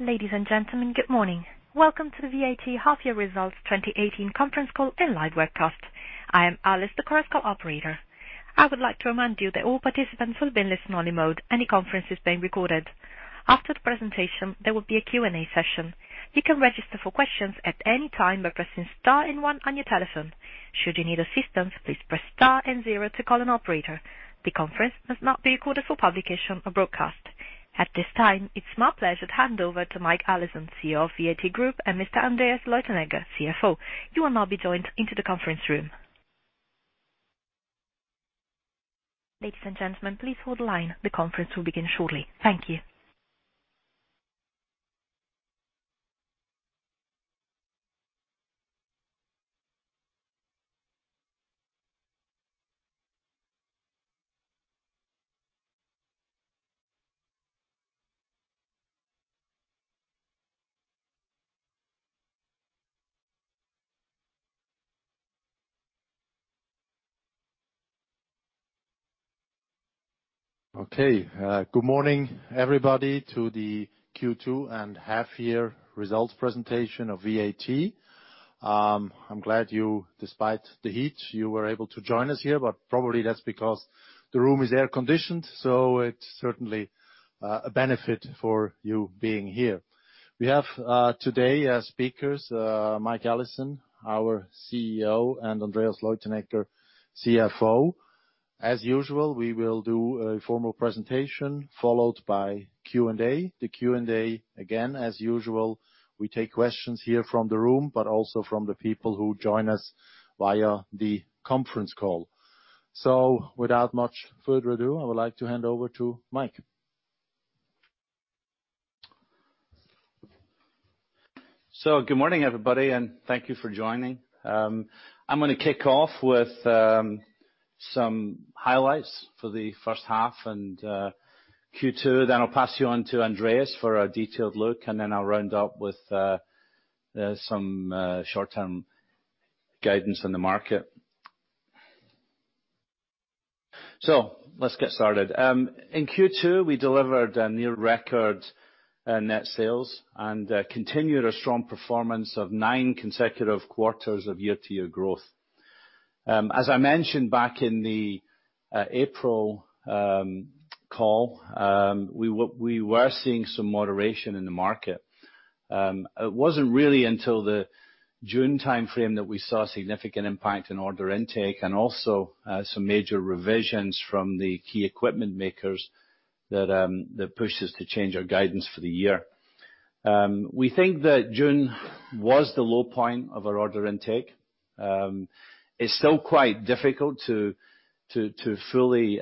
Ladies and gentlemen, good morning. Welcome to the VAT half-year results 2018 conference call and live webcast. I am Alice, the Conference Call Operator. I would like to remind you that all participants will be in listen-only mode, and the conference is being recorded. After the presentation, there will be a Q&A session. You can register for questions at any time by pressing star and 1 on your telephone. Should you need assistance, please press star and 0 to call an operator. The conference must not be recorded for publication or broadcast. At this time, it is my pleasure to hand over to Michael Allison, CEO of VAT Group, and Andreas Leutenegger, CFO. You will now be joined into the conference room. Ladies and gentlemen, please hold the line. The conference will begin shortly. Thank you. Good morning, everybody, to the Q2 and half-year results presentation of VAT. I am glad you, despite the heat, you were able to join us here, but probably that is because the room is air-conditioned, so it is certainly a benefit for you being here. We have today as speakers, Michael Allison, our CEO, and Andreas Leutenegger, CFO. As usual, we will do a formal presentation followed by Q&A. The Q&A, again, as usual, we take questions here from the room, but also from the people who join us via the conference call. Without much further ado, I would like to hand over to Mike. Good morning, everybody, and thank you for joining. I am going to kick off with some highlights for the first half and Q2, then I will pass you on to Andreas for a detailed look, and then I will round up with some short-term guidance on the market. Let us get started. In Q2, we delivered a near record net sales and continued a strong performance of nine consecutive quarters of year-to-year growth. As I mentioned back in the April call, we were seeing some moderation in the market. It was not really until the June timeframe that we saw significant impact in order intake and also some major revisions from the key equipment makers that pushed us to change our guidance for the year. We think that June was the low point of our order intake. It is still quite difficult to fully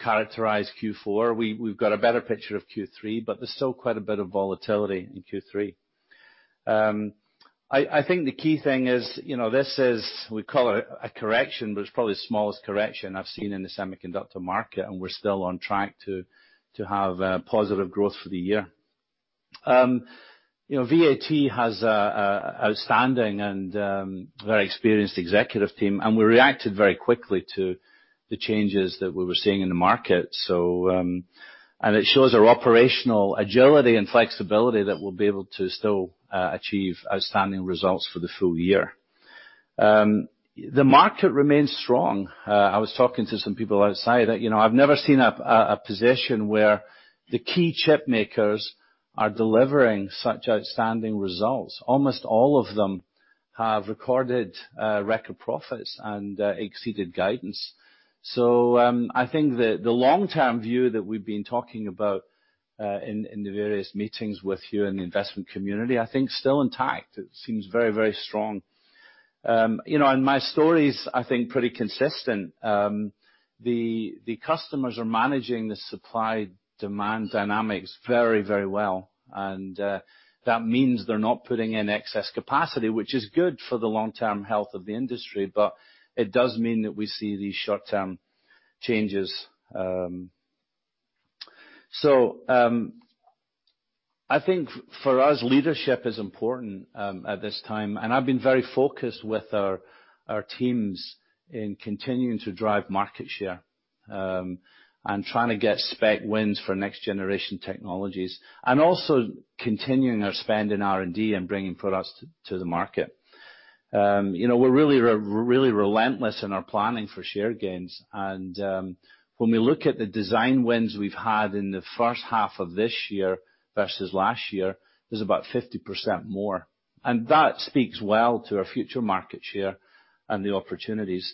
characterize Q4. We have got a better picture of Q3, but there is still quite a bit of volatility in Q3. I think the key thing is, this is we call it a correction, but it is probably the smallest correction I have seen in the semiconductor market, and we are still on track to have positive growth for the year. VAT has a outstanding and very experienced executive team, and we reacted very quickly to the changes that we were seeing in the market. It shows our operational agility and flexibility that we will be able to still achieve outstanding results for the full year. The market remains strong. I was talking to some people outside. I have never seen a position where the key chip makers are delivering such outstanding results. Almost all of them have recorded record profits and exceeded guidance. I think that the long-term view that we've been talking about in the various meetings with you in the investment community, I think is still intact. It seems very strong. My story is, I think, pretty consistent. The customers are managing the supply-demand dynamics very well, and that means they're not putting in excess capacity, which is good for the long-term health of the industry, but it does mean that we see these short-term changes. I think for us, leadership is important at this time, and I've been very focused with our teams in continuing to drive market share, and trying to get spec wins for next-generation technologies, and also continuing our spend in R&D and bringing products to the market. We're really relentless in our planning for share gains. When we look at the design wins we've had in the first half of this year versus last year, there's about 50% more. That speaks well to our future market share and the opportunities.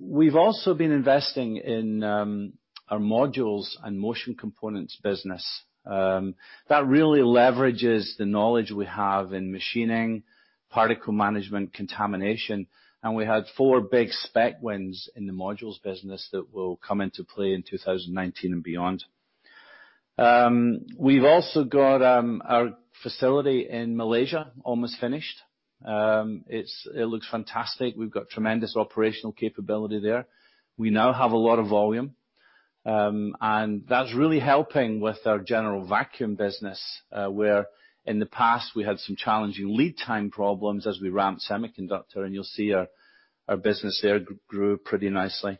We've also been investing in our modules and motion components business. That really leverages the knowledge we have in machining, particle management, contamination, and we had four big spec wins in the modules business that will come into play in 2019 and beyond. We've also got our facility in Malaysia almost finished. It looks fantastic. We've got tremendous operational capability there. We now have a lot of volume. That's really helping with our General Vacuum business. In the past, we had some challenging lead time problems as we ramped semiconductor, and you'll see our business there grew pretty nicely.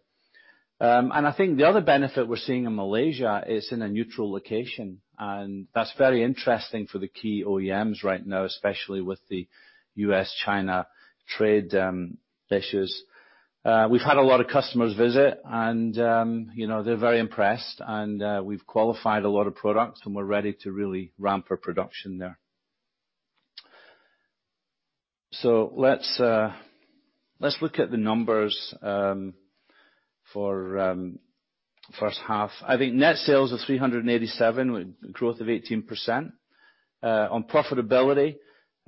I think the other benefit we're seeing in Malaysia is in a neutral location, and that's very interesting for the key OEMs right now, especially with the U.S.-China trade issues. We've had a lot of customers visit, and they're very impressed and we've qualified a lot of products, and we're ready to really ramp our production there. Let's look at the numbers, for first half. I think net sales of 387, with growth of 18%, on profitability,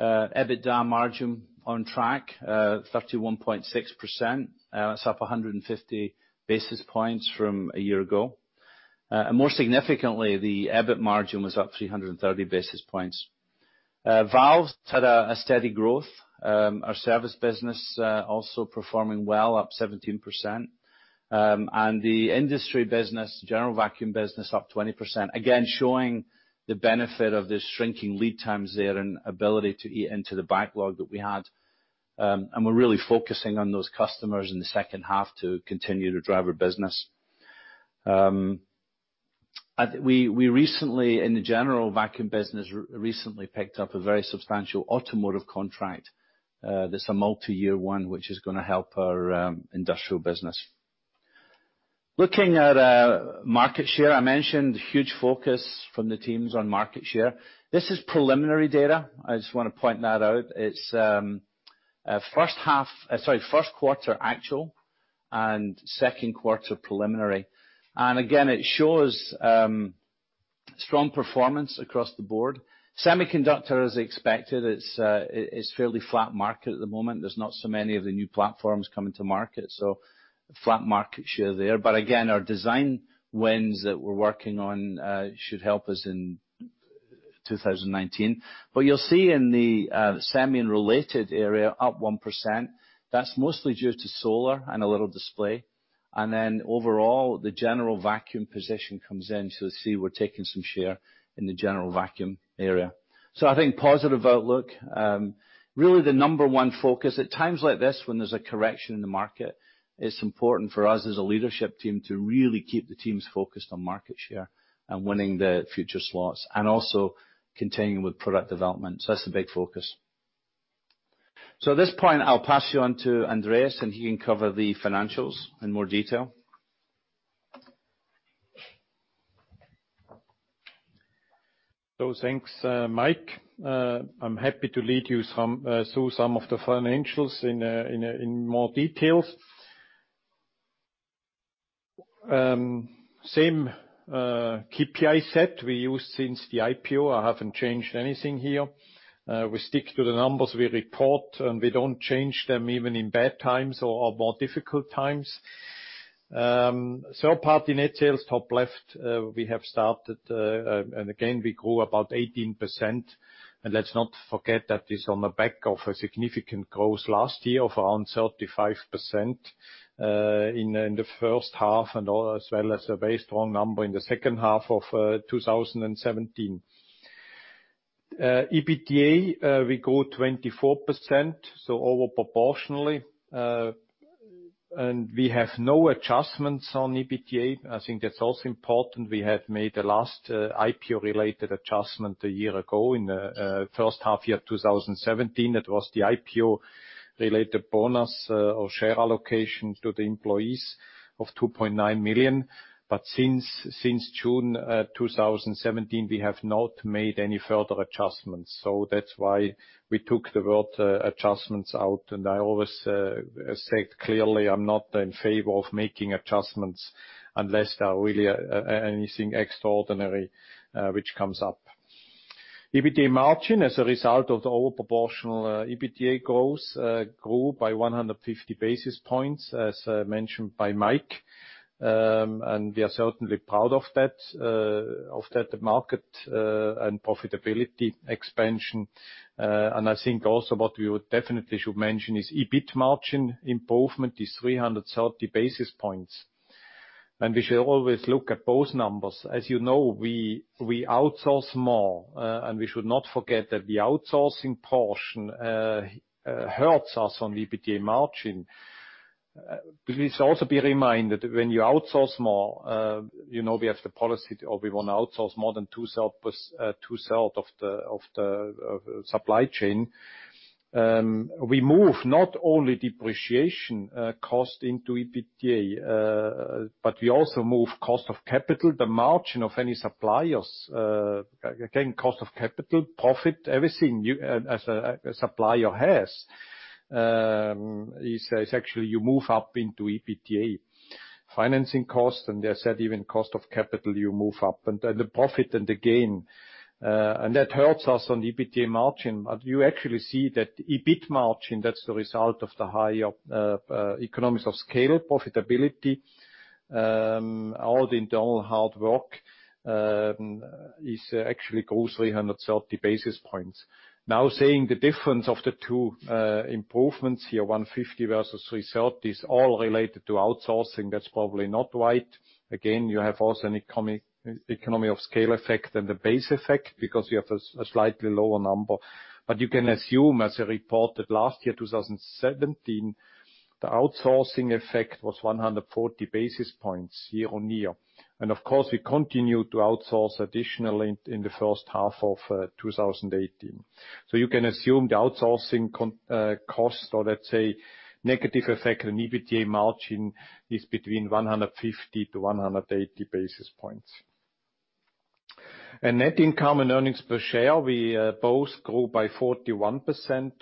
EBITDA margin on track, 31.6%, it's up 150 basis points from a year ago. More significantly, the EBIT margin was up 330 basis points. Valves had a steady growth. Our service business, also performing well, up 17%, and the industry business, General Vacuum business up 20%, again, showing the benefit of the shrinking lead times there and ability to eat into the backlog that we had. We're really focusing on those customers in the second half to continue to drive our business. We recently, in the General Vacuum business, recently picked up a very substantial automotive contract, that's a multi-year one, which is going to help our industrial business. Looking at market share, I mentioned huge focus from the teams on market share. This is preliminary data. I just want to point that out. It's first quarter actual and second quarter preliminary. Again, it shows strong performance across the board. Semiconductor, as expected, it's a fairly flat market at the moment. There's not so many of the new platforms coming to market, so flat market share there. Our design wins that we're working on should help us in 2019. You'll see in the semi and related area up 1%. That's mostly due to solar and a little display. Overall, the General Vacuum position comes in. You see we're taking some share in the General Vacuum area. I think positive outlook. Really the number one focus at times like this, when there's a correction in the market, it's important for us as a leadership team to really keep the teams focused on market share and winning the future slots, and also continuing with product development. That's the big focus. At this point, I'll pass you on to Andreas, and he can cover the financials in more detail. Thanks, Mike. I'm happy to lead you through some of the financials in more details. Same, KPI set we used since the IPO. I haven't changed anything here. We stick to the numbers we report, and we don't change them even in bad times or more difficult times. Third party net sales, top left, we have started, and again, we grew about 18%. Let's not forget that is on the back of a significant growth last year of around 35% in the first half and as well as a very strong number in the second half of 2017. EBITDA, we grew 24%, over proportionally, and we have no adjustments on EBITDA. I think that's also important. We have made the last IPO-related adjustment a year ago in the first half year, 2017. That was the IPO-related bonus, or share allocation to the employees of 2.9 million. Since June 2017, we have not made any further adjustments. That's why we took the word adjustments out. I always said, clearly, I'm not in favor of making adjustments unless there are really anything extraordinary which comes up. EBITDA margin as a result of the overproportional EBITDA growth, grew by 150 basis points, as mentioned by Mike. We are certainly proud of that market and profitability expansion. I think also what we definitely should mention is EBIT margin improvement is 330 basis points. We should always look at both numbers. As you know, we outsource more, and we should not forget that the outsourcing portion hurts us on EBITDA margin. Please also be reminded that when you outsource more, we have the policy that we want to outsource more than two-third of the supply chain. We move not only depreciation cost into EBITDA, but we also move cost of capital, the margin of any suppliers, again, cost of capital, profit, everything a supplier has, is actually you move up into EBITDA. Financing cost, and as I said, even cost of capital, you move up. The profit and the gain, and that hurts us on EBITDA margin. You actually see that EBIT margin, that's the result of the higher economics of scale profitability. All the internal hard work actually grows 330 basis points. Now, seeing the difference of the two improvements here, 150 versus 330, is all related to outsourcing. That's probably not right. Again, you have also an economy of scale effect and the base effect, because we have a slightly lower number. You can assume, as I reported last year, 2017, the outsourcing effect was 140 basis points year-on-year. Of course, we continued to outsource additionally in the first half of 2018. You can assume the outsourcing cost, or let's say, negative effect on EBITDA margin, is between 150 to 180 basis points. Net income and earnings per share, we both grew by 41%,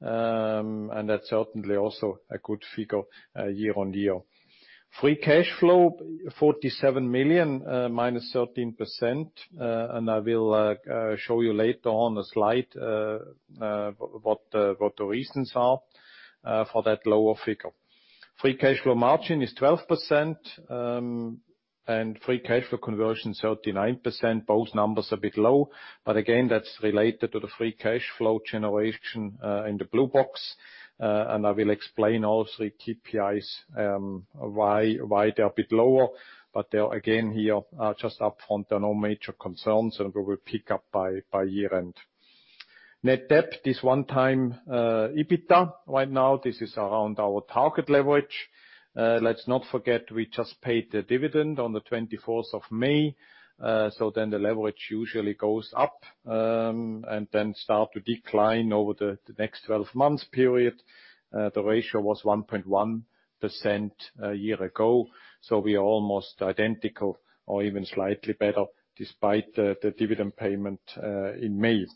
and that's certainly also a good figure year-on-year. Free cash flow, 47 million, -13%, and I will show you later on a slide what the reasons are for that lower figure. Free cash flow margin is 12%, and free cash flow conversion 39%, both numbers a bit low. But again, that's related to the free cash flow generation in the blue box. I will explain all three KPIs, why they are a bit lower. They are, again, here, just upfront, there are no major concerns, and we will pick up by year-end. Net debt is one time EBITDA. Right now, this is around our target leverage. Let's not forget, we just paid the dividend on the 24th of May, so then the leverage usually goes up, and then start to decline over the next 12-month period. The ratio was 1.1% a year ago, so we are almost identical or even slightly better despite the dividend payment in May.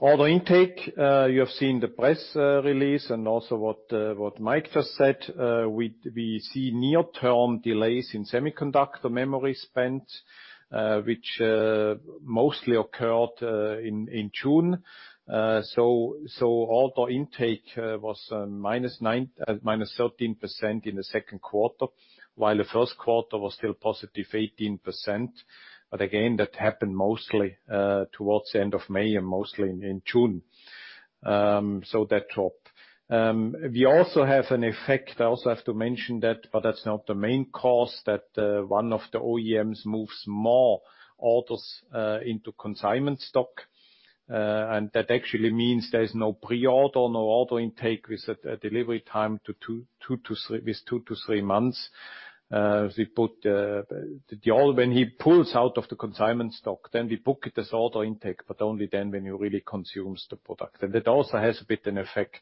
Order intake, you have seen the press release and also what Mike just said. We see near-term delays in semiconductor memory spend, which mostly occurred in June. Order intake was -13% in the second quarter, while the first quarter was still +18%. But again, that happened mostly towards the end of May and mostly in June. That dropped. We also have an effect, I also have to mention that, but that's not the main cause, that one of the OEMs moves more orders into consignment stock. That actually means there's no pre-order, no order intake with a delivery time with two to three months. When he pulls out of the consignment stock, then we book it as order intake, but only then when he really consumes the product. That also has a bit an effect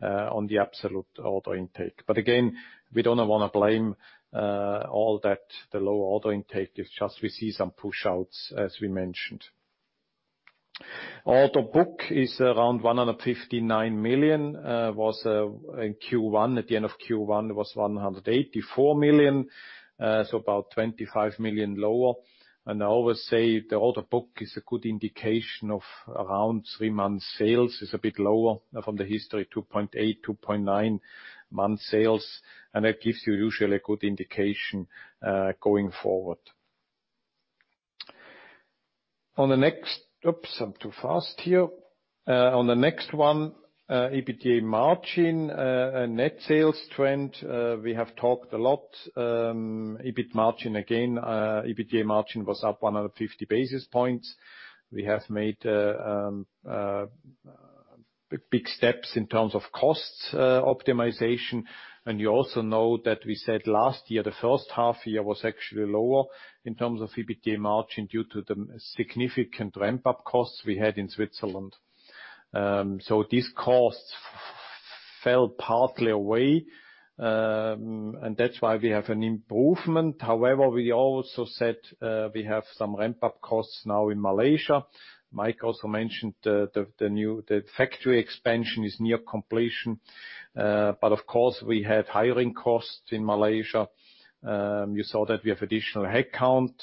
on the absolute order intake. But again, we don't want to blame all that the low order intake. It's just we see some push-outs, as we mentioned. Order book is around 159 million. In Q1, at the end of Q1, it was 184 million, so about 25 million lower. I always say the order book is a good indication of around three-month sales. It's a bit lower from the history, 2.8, 2.9-month sales, and that gives you usually a good indication going forward. Oops, I'm too fast here. On the next one, EBITDA margin, net sales trend, we have talked a lot. EBIT margin, again, EBITDA margin was up 150 basis points. We have made big steps in terms of costs optimization. You also know that we said last year, the first half year was actually lower in terms of EBITDA margin due to the significant ramp-up costs we had in Switzerland. These costs fell partly away, and that's why we have an improvement. However, we also said we have some ramp-up costs now in Malaysia. Mike also mentioned the factory expansion is near completion. But of course, we had hiring costs in Malaysia. You saw that we have additional headcount.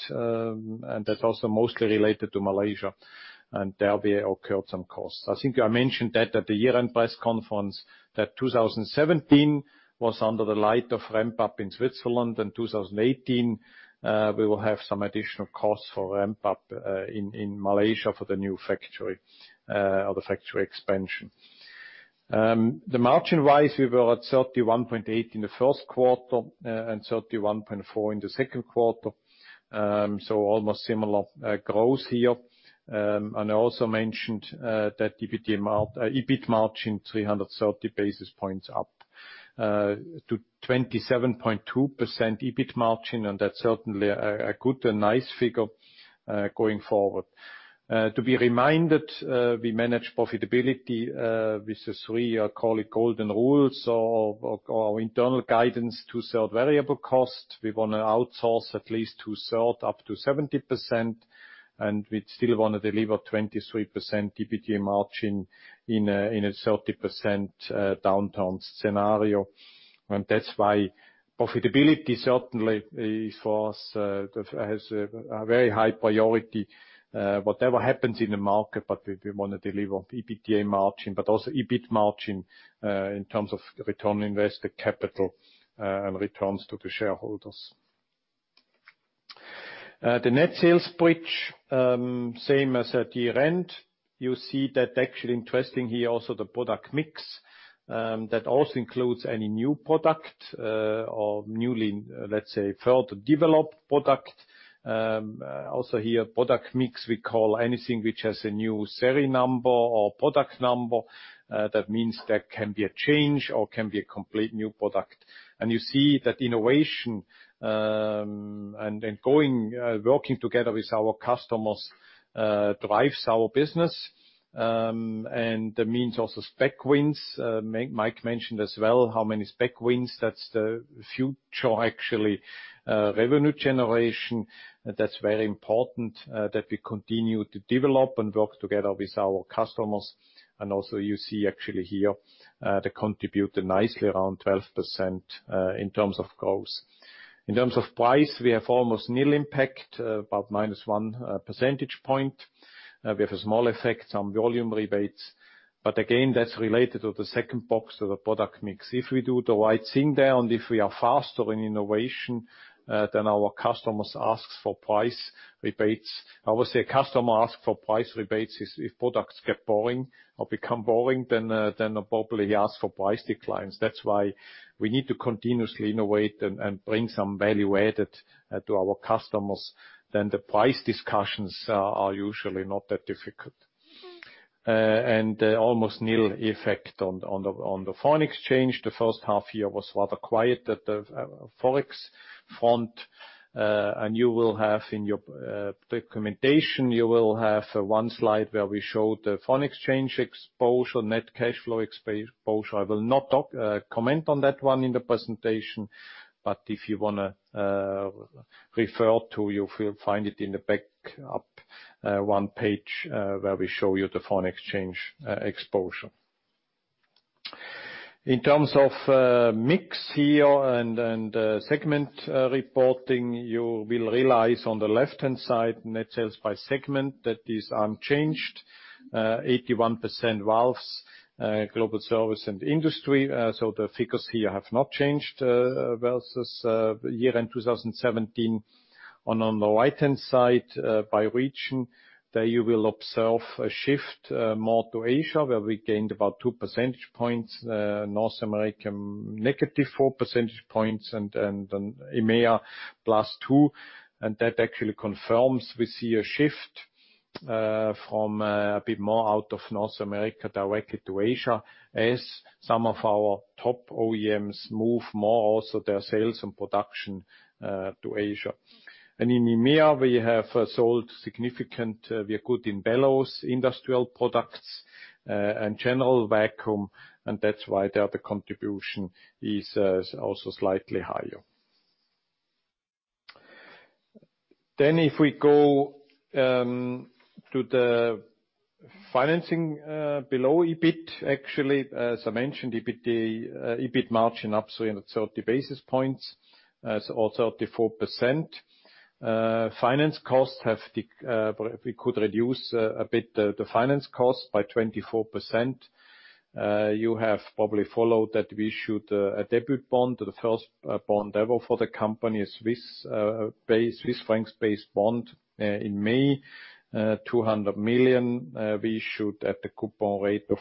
That's also mostly related to Malaysia, there, we incurred some costs. I think I mentioned that at the year-end press conference, that 2017 was under the light of ramp-up in Switzerland. 2018, we will have some additional costs for ramp-up in Malaysia for the new factory or the factory expansion. The margin rise, we were at 31.8% in the first quarter and 31.4% in the second quarter, so almost similar growth here. I also mentioned that EBIT margin, 330 basis points up to 27.2% EBIT margin. That's certainly a good and nice figure going forward. To be reminded, we manage profitability with the three, I call it golden rules or internal guidance to sell variable cost. We want to outsource at least two-thirds up to 70%. We still want to deliver 23% EBITDA margin in a 30% downturn scenario. That's why profitability certainly has a very high priority. Whatever happens in the market, we want to deliver EBITDA margin, but also EBIT margin in terms of return on invested capital and returns to the shareholders. The net sales bridge, same as at year-end. You see that actually interesting here also the product mix, that also includes any new product or newly, let's say, further developed product. Also here, product mix, we call anything which has a new serial number or product number. That means that can be a change or can be a complete new product. You see that innovation, then working together with our customers, drives our business. That means also spec wins. Mike mentioned as well how many spec wins. That's the future, actually, revenue generation. That's very important that we continue to develop and work together with our customers. Also you see actually here, they contributed nicely, around 12% in terms of growth. In terms of price, we have almost nil impact, about minus one percentage point. We have a small effect on volume rebates. Again, that's related to the second box of the product mix. If we do the right thing there, if we are faster in innovation, then our customers ask for price rebates. I would say a customer ask for price rebates is if products get boring or become boring, then they probably ask for price declines. That's why we need to continuously innovate and bring some value added to our customers. The price discussions are usually not that difficult. Almost nil effect on the foreign exchange. The first half year was rather quiet at the FX front. You will have in your documentation, you will have one slide where we show the foreign exchange exposure, net cash flow exposure. I will not comment on that one in the presentation, but if you want to refer to, you will find it in the back-up, one page, where we show you the foreign exchange exposure. In terms of mix here and segment reporting, you will realize on the left-hand side, net sales by segment, that is unchanged. 81% valves, global service and industry. The figures here have not changed versus year-end 2017. On the right-hand side, by region, there you will observe a shift more to Asia, where we gained about two percentage points. North America, negative four percentage points, then EMEA, plus two. That actually confirms we see a shift from a bit more out of North America directly to Asia, as some of our top OEMs move more also their sales and production to Asia. In EMEA, we are good in bellows, industrial products, and General Vacuum, and that's why there the contribution is also slightly higher. If we go to the financing below EBIT, actually, as I mentioned, EBIT margin up 330 basis points. to 27.2%. We could reduce a bit the finance cost by 24%. You have probably followed that we issued a debut bond, the first bond ever for the company, a CHF-based bond in May, 200 million. We issued at the coupon rate of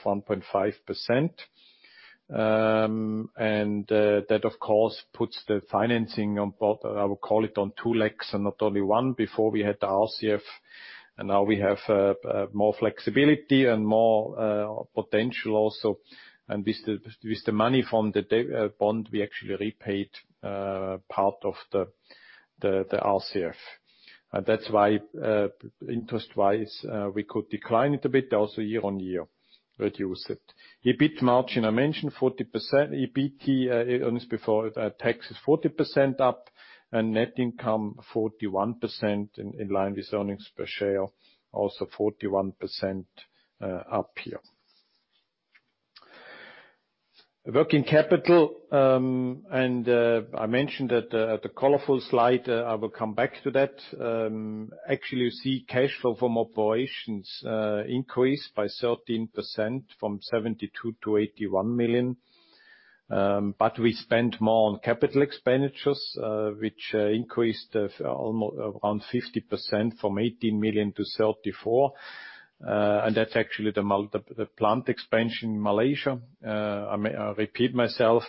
1.5%. That, of course, puts the financing on, I would call it, on two legs and not only one. We had the RCF, and now we have more flexibility and more potential also. With the money from the bond, we actually repaid part of the RCF. That's why, interest-wise, we could decline it a bit, also year-over-year reduce it. EBIT margin, I mentioned 40%. EBT, earnings before tax, is 40% up, and net income 41%, in line with earnings per share, also 41% up here. Working capital, I mentioned at the colorful slide, I will come back to that. Actually, you see cash flow from operations increased by 13%, from 72 million to 81 million. We spent more on capital expenditures, which increased around 50%, from 18 million to 34 million. That's actually the plant expansion in Malaysia. I repeat myself,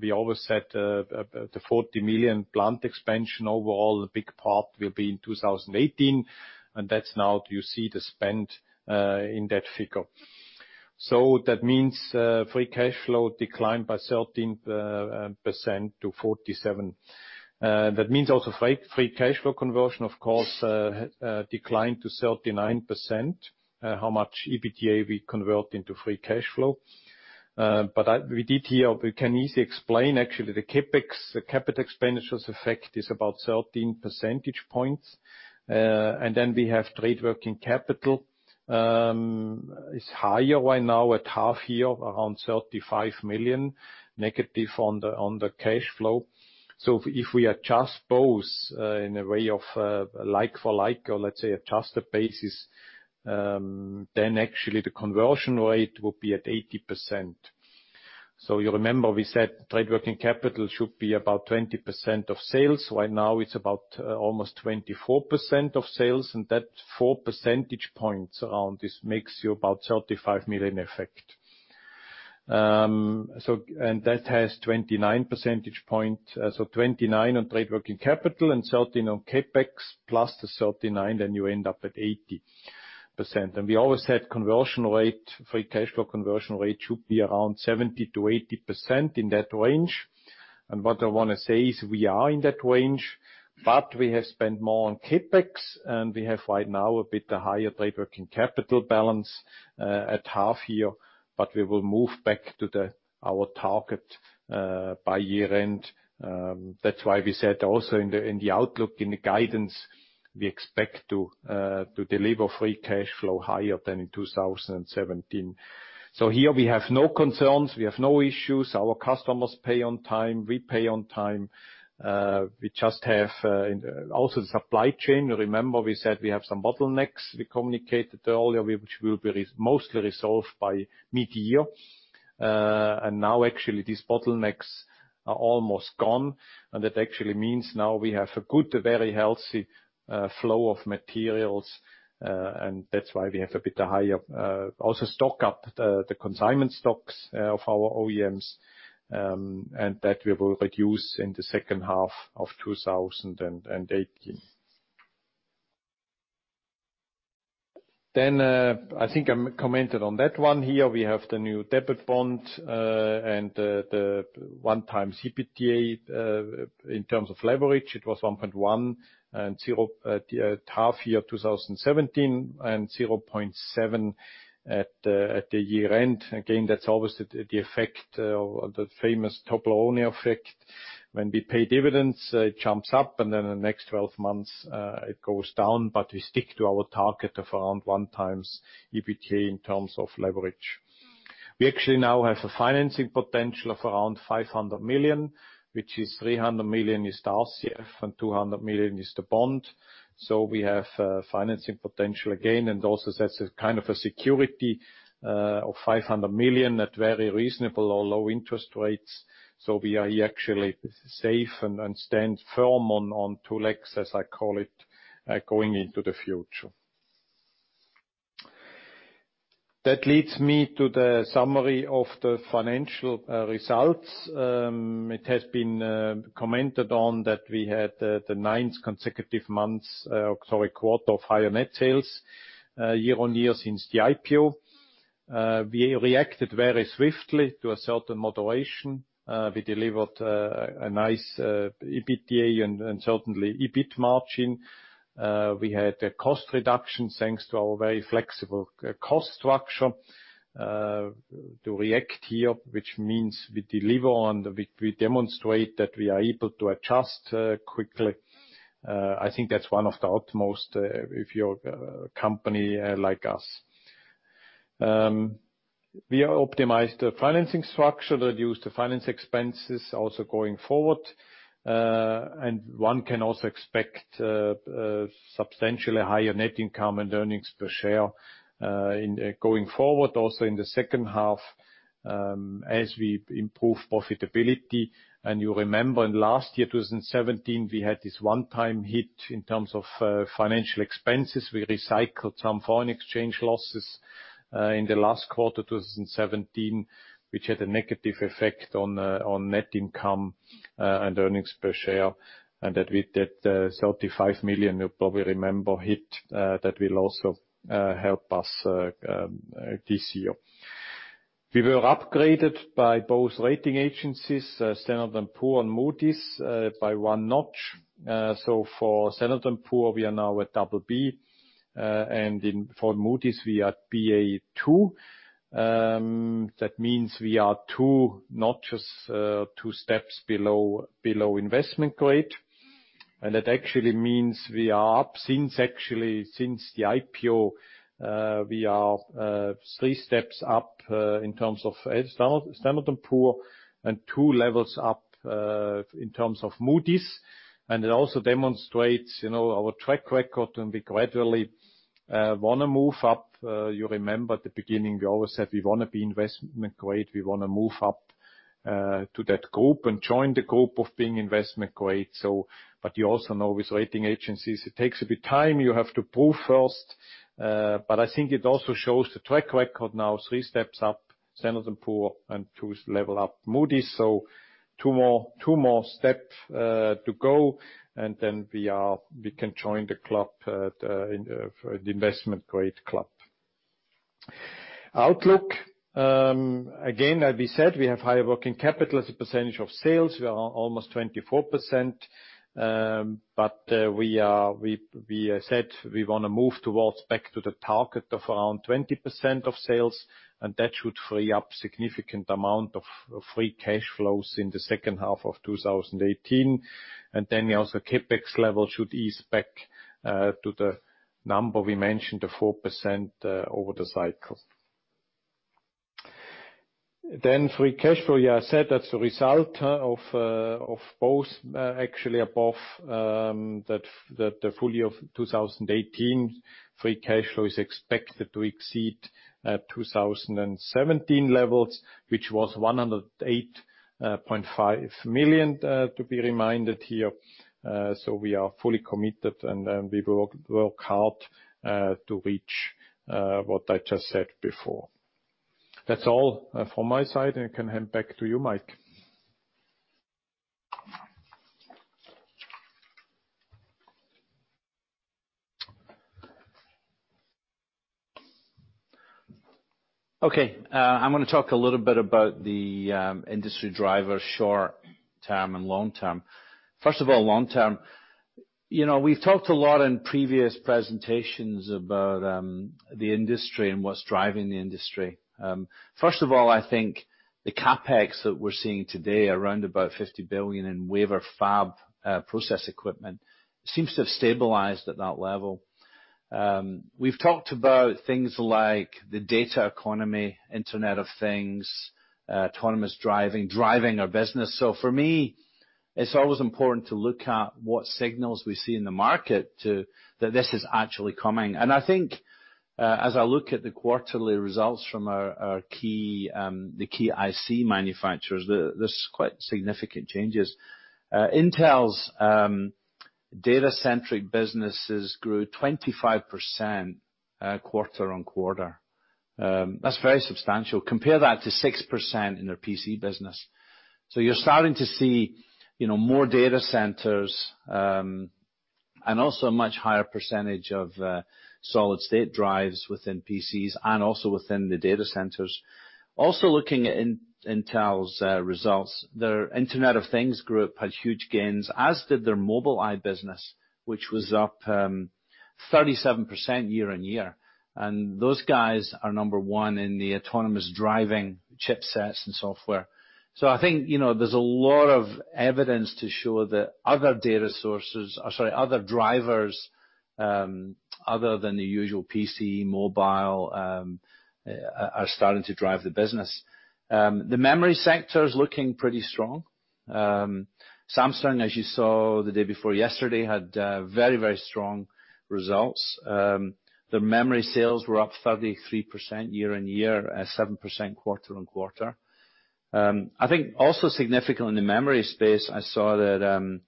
we always said the 40 million plant expansion overall, the big part will be in 2018, and that's now you see the spend in that figure. That means free cash flow declined by 13% to 47 million. That means also free cash flow conversion, of course, declined to 39%, how much EBITDA we convert into free cash flow. We did here, we can easily explain, actually, the CapEx, the capital expenditures effect is about 13 percentage points. Then we have trade working capital. It's higher right now at half year, around 35 million, negative on the cash flow. If we adjust both in a way of like for like, or let's say adjusted basis, then actually the conversion rate will be at 80%. You remember we said trade working capital should be about 20% of sales. Right now it's about almost 24% of sales, and that four percentage points around this makes you about 35 million effect. That has 29 percentage points. 29 on trade working capital and 30 on CapEx plus the 39, then you end up at 80%. We always said conversion rate, free cash flow conversion rate should be around 70%-80% in that range. What I want to say is we are in that range, but we have spent more on CapEx, and we have right now a bit higher trade working capital balance at half year, but we will move back to our target by year end. That's why we said also in the outlook, in the guidance, we expect to deliver free cash flow higher than in 2017. Here we have no concerns. We have no issues. Our customers pay on time. We pay on time. We just have also the supply chain. You remember we said we have some bottlenecks we communicated earlier, which will be mostly resolved by mid-year. Now actually these bottlenecks are almost gone. That actually means now we have a good, very healthy flow of materials. That's why we have a bit higher. Also stock up the consignment stocks of our OEMs. That we will reduce in the second half of 2018. I think I commented on that one here. We have the new debit bond, and the one-time EBITDA. In terms of leverage, it was 1.1 and at half year 2017 and 0.7 at the year end. Again, that's always the effect of the famous Toblerone effect. When we pay dividends, it jumps up, and then the next 12 months, it goes down. We stick to our target of around one times EBITDA in terms of leverage. We actually now have a financing potential of around 500 million, which is 300 million is the RCF and 200 million is the bond. We have financing potential again. Also that's a security of 500 million at very reasonable or low interest rates. We are actually safe and stand firm on two legs, as I call it, going into the future. That leads me to the summary of the financial results. It has been commented on that we had the ninth consecutive quarter of higher net sales year-over-year since the IPO. We reacted very swiftly to a certain moderation. We delivered a nice EBITDA and certainly EBIT margin. We had a cost reduction thanks to our very flexible cost structure, to react here, which means we demonstrate that we are able to adjust quickly. I think that's one of the utmost if you're a company like us. We optimized the financing structure, reduced the finance expenses also going forward. One can also expect substantially higher net income and earnings per share going forward, also in the second half, as we improve profitability. You remember in last year, 2017, we had this one-time hit in terms of financial expenses. We recycled some foreign exchange losses in the last quarter 2017, which had a negative effect on net income and earnings per share. That 35 million, you probably remember, hit, that will also help us this year. We were upgraded by both rating agencies, Standard & Poor's and Moody's, by one notch. For Standard & Poor's, we are now at BB, and for Moody's, we are at Ba2. That means we are two notches, two steps below investment grade. That actually means we are up since the IPO, we are three steps up in terms of Standard & Poor's and two levels up in terms of Moody's. It also demonstrates our track record. We gradually want to move up. You remember at the beginning, we always said we want to be investment grade. We want to move up to that group and join the group of being investment grade. You also know with rating agencies, it takes a bit time. You have to prove first. I think it also shows the track record now, three steps up Standard & Poor's and two level up Moody's. two more steps to go, we can join the investment grade club. Outlook, again, as we said, we have higher working capital as a percentage of sales. We are almost 24%, we said we want to move towards back to the target of around 20% of sales, that should free up significant amount of free cash flows in the second half of 2018. Also CapEx level should ease back to the number we mentioned, the 4% over the cycle. Free cash flow, I said that's the result of both actually above the full year of 2018. Free cash flow is expected to exceed 2017 levels, which was 108.5 million, to be reminded here. We are fully committed, we will work hard to reach what I just said before. That's all from my side, I can hand back to you, Mike. I'm going to talk a little bit about the industry drivers, short term and long term. First of all, long term. We've talked a lot in previous presentations about the industry and what's driving the industry. First of all, I think the CapEx that we're seeing today, around about 50 billion in wafer fab process equipment, seems to have stabilized at that level. We've talked about things like the data economy, Internet of Things, autonomous driving our business. For me, it's always important to look at what signals we see in the market, that this is actually coming. I think, as I look at the quarterly results from the key IC manufacturers, there's quite significant changes. Intel's data centric businesses grew 25% quarter-on-quarter. That's very substantial. Compare that to 6% in their PC business. You're starting to see more data centers, and also a much higher percentage of solid state drives within PCs and also within the data centers. Also looking at Intel's results, their Internet of Things group had huge gains, as did their Mobileye business, which was up 37% year-on-year. Those guys are number 1 in the autonomous driving chipsets and software. I think, there's a lot of evidence to show that other drivers other than the usual PC, mobile, are starting to drive the business. The memory sector is looking pretty strong. Samsung, as you saw the day before yesterday, had very strong results. Their memory sales were up 33% year-on-year, 7% quarter-on-quarter. I think also significant in the memory space, I saw that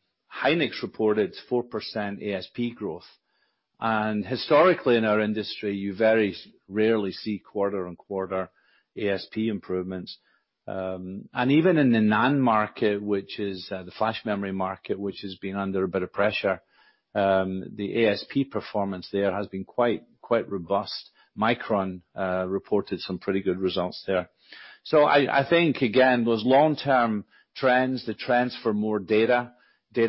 Hynix reported 4% ASP growth. Historically in our industry, you very rarely see quarter-on-quarter ASP improvements. Even in the NAND market, which is the flash memory market, which has been under a bit of pressure, the ASP performance there has been quite robust. Micron reported some pretty good results there. I think again, those long-term trends, the trends for more data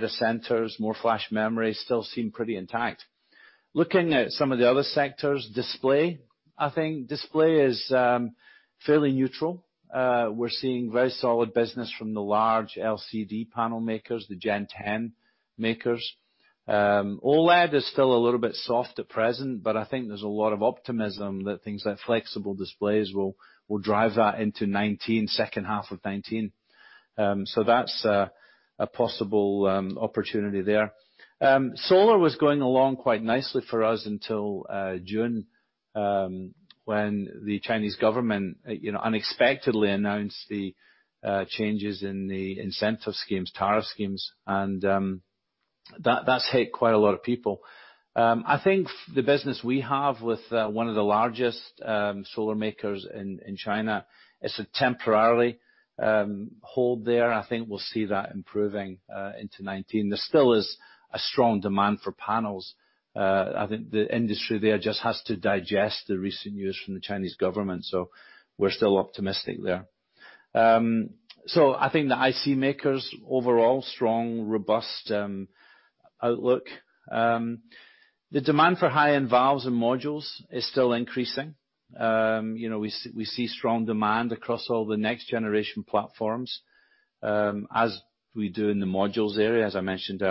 centers, more flash memory, still seem pretty intact. Looking at some of the other sectors, display. I think display is fairly neutral. We're seeing very solid business from the large LCD panel makers, the Gen 10 makers. OLED is still a little bit soft at present, but I think there's a lot of optimism that things like flexible displays will drive that into second half of 2019. That's a possible opportunity there. Solar was going along quite nicely for us until June, when the Chinese government unexpectedly announced the changes in the incentive schemes, tariff schemes, and that's hit quite a lot of people. I think the business we have with one of the largest solar makers in China, it's a temporarily hold there. I think we'll see that improving into 2019. There still is a strong demand for panels. I think the industry there just has to digest the recent news from the Chinese government. We're still optimistic there. I think the IC makers, overall strong, robust outlook. The demand for high-end valves and modules is still increasing. We see strong demand across all the next generation platforms, as we do in the modules area, as I mentioned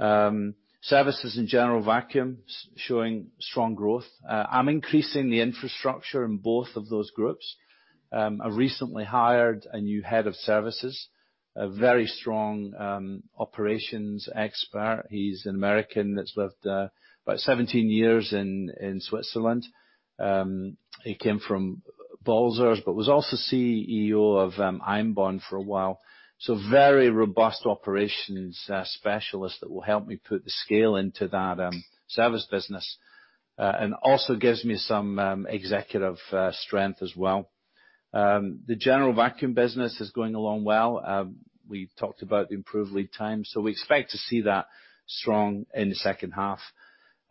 earlier. Services and General Vacuum showing strong growth. I'm increasing the infrastructure in both of those groups. I recently hired a new head of services, a very strong operations expert. He's an American that's lived about 17 years in Switzerland. He came from Balzers, but was also CEO of Ionbond for a while. Very robust operations specialist that will help me put the scale into that service business, and also gives me some executive strength as well. The General Vacuum business is going along well. We've talked about the improved lead time, we expect to see that strong in the second half.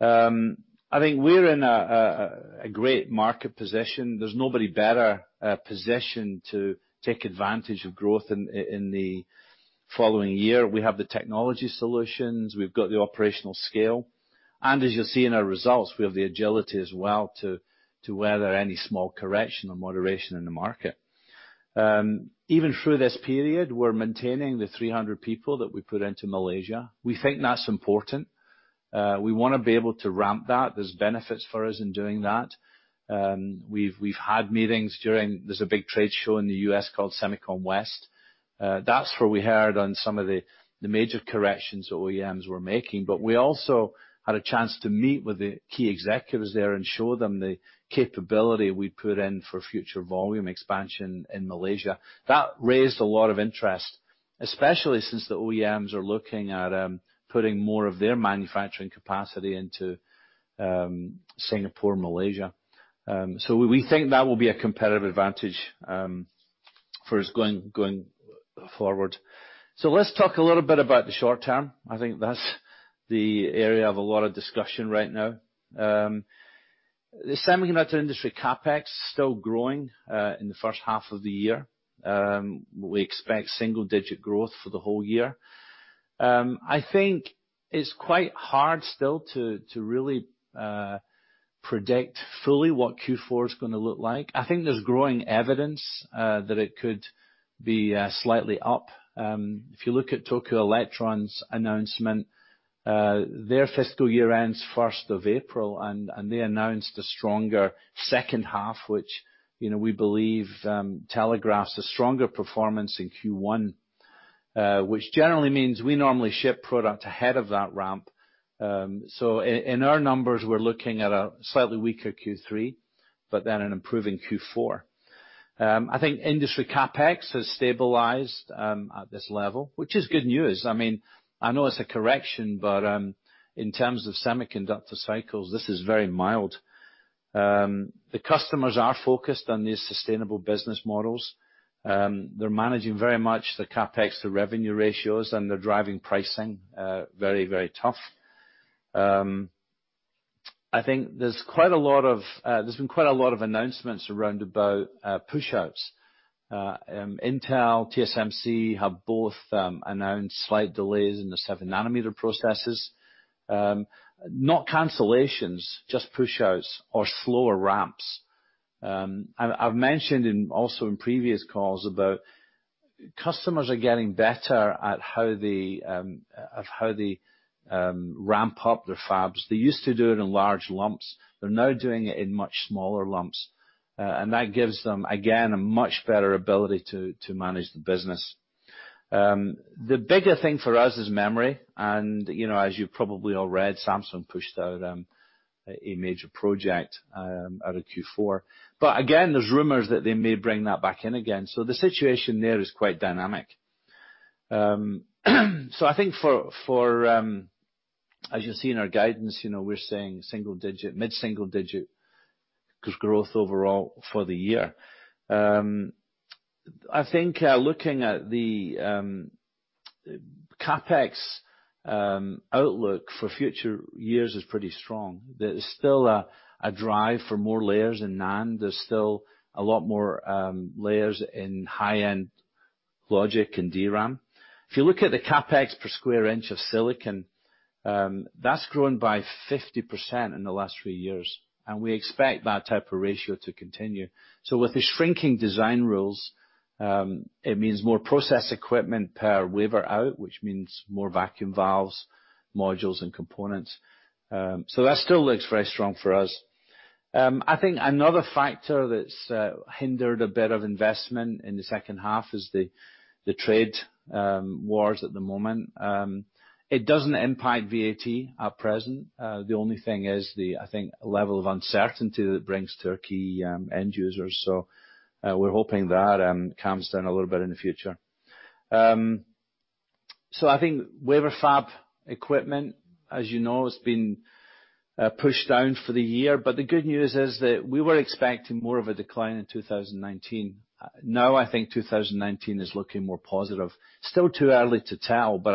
I think we're in a great market position. There's nobody better positioned to take advantage of growth in the following year. We have the technology solutions, we've got the operational scale. As you'll see in our results, we have the agility as well to weather any small correction or moderation in the market. Even through this period, we're maintaining the 300 people that we put into Malaysia. We think that's important. We want to be able to ramp that. There's benefits for us in doing that. We've had meetings during, there's a big trade show in the U.S. called SEMICON West. That's where we heard on some of the major corrections OEMs were making. We also had a chance to meet with the key executives there and show them the capability we put in for future volume expansion in Malaysia. That raised a lot of interest, especially since the OEMs are looking at putting more of their manufacturing capacity into Singapore and Malaysia. We think that will be a competitive advantage for us going forward. Let's talk a little bit about the short term. I think that's the area of a lot of discussion right now. The semiconductor industry CapEx still growing in the first half of the year. We expect single-digit growth for the whole year. I think it's quite hard still to really predict fully what Q4 is going to look like. I think there's growing evidence that it could be slightly up. If you look at Tokyo Electron's announcement, their fiscal year ends 1st of April, and they announced a stronger second half, which we believe telegraphs a stronger performance in Q1, which generally means we normally ship product ahead of that ramp. In our numbers, we're looking at a slightly weaker Q3, but then an improving Q4. I think industry CapEx has stabilized at this level, which is good news. I know it's a correction, but in terms of semiconductor cycles, this is very mild. The customers are focused on these sustainable business models. They're managing very much the CapEx to revenue ratios, and they're driving pricing very tough. I think there's been quite a lot of announcements around about push-outs. Intel, TSMC have both announced slight delays in the 7-nanometer processes. Not cancellations, just push-outs or slower ramps. I've mentioned also in previous calls about customers are getting better at how they ramp up their fabs. They used to do it in large lumps. They're now doing it in much smaller lumps. That gives them, again, a much better ability to manage the business. The bigger thing for us is memory, and as you probably all read, Samsung pushed out a major project out of Q4. Again, there's rumors that they may bring that back in again. The situation there is quite dynamic. I think as you'll see in our guidance, we're saying mid-single digit growth overall for the year. I think looking at the CapEx outlook for future years is pretty strong. There is still a drive for more layers in NAND. There's still a lot more layers in high-end logic in DRAM. If you look at the CapEx per square inch of silicon, that's grown by 50% in the last 3 years, and we expect that type of ratio to continue. With the shrinking design rules, it means more process equipment per waiver out, which means more vacuum valves, modules, and components. That still looks very strong for us. I think another factor that's hindered a bit of investment in the second half is the trade wars at the moment. It doesn't impact VAT at present. The only thing is the, I think, level of uncertainty that it brings to our key end users. We're hoping that calms down a little bit in the future. I think wafer fab equipment, as you know, has been pushed down for the year, but the good news is that we were expecting more of a decline in 2019. Now I think 2019 is looking more positive. Still too early to tell, but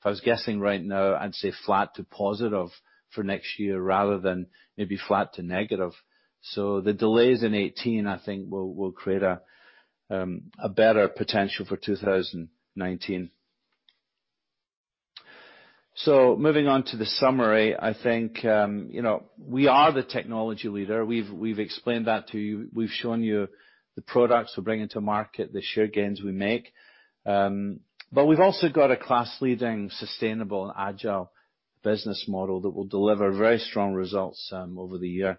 if I was guessing right now, I'd say flat to positive for next year rather than maybe flat to negative. The delays in 2018, I think, will create a better potential for 2019. Moving on to the summary, I think we are the technology leader. We've explained that to you. We've shown you the products we're bringing to market, the share gains we make. We've also got a class-leading, sustainable, and agile business model that will deliver very strong results over the year.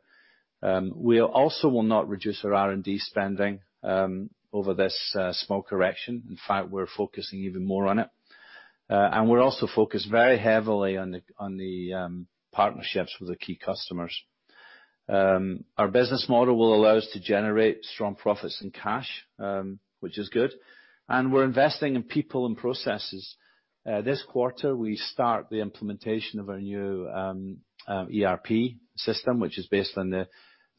We also will not reduce our R&D spending over this small correction. In fact, we're focusing even more on it. We're also focused very heavily on the partnerships with the key customers. Our business model will allow us to generate strong profits and cash, which is good. We're investing in people and processes. This quarter, we start the implementation of our new ERP system, which is based on the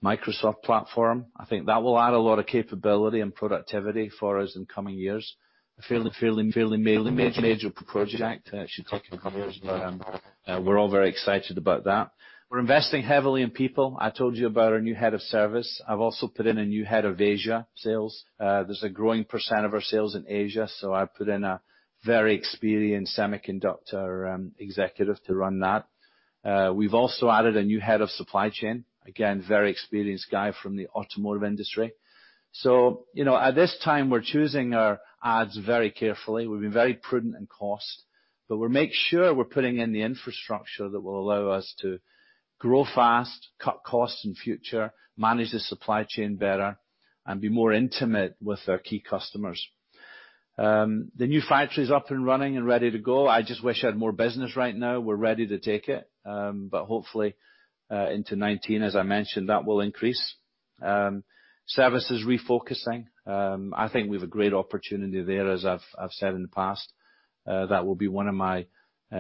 Microsoft platform. I think that will add a lot of capability and productivity for us in coming years. A fairly major project. It should take a 2 years, but we're all very excited about that. We're investing heavily in people. I told you about our new head of service. I've also put in a new head of Asia sales. There's a growing % of our sales in Asia, so I put in a very experienced semiconductor executive to run that. We've also added a new head of supply chain. Again, very experienced guy from the automotive industry. At this time we're choosing our adds very carefully. We've been very prudent in cost. We'll make sure we're putting in the infrastructure that will allow us to grow fast, cut costs in future, manage the supply chain better, and be more intimate with our key customers. The new factory is up and running and ready to go. I just wish I had more business right now. We're ready to take it. Hopefully, into 2019, as I mentioned, that will increase. Services refocusing. I think we've a great opportunity there, as I've said in the past. That will be one of my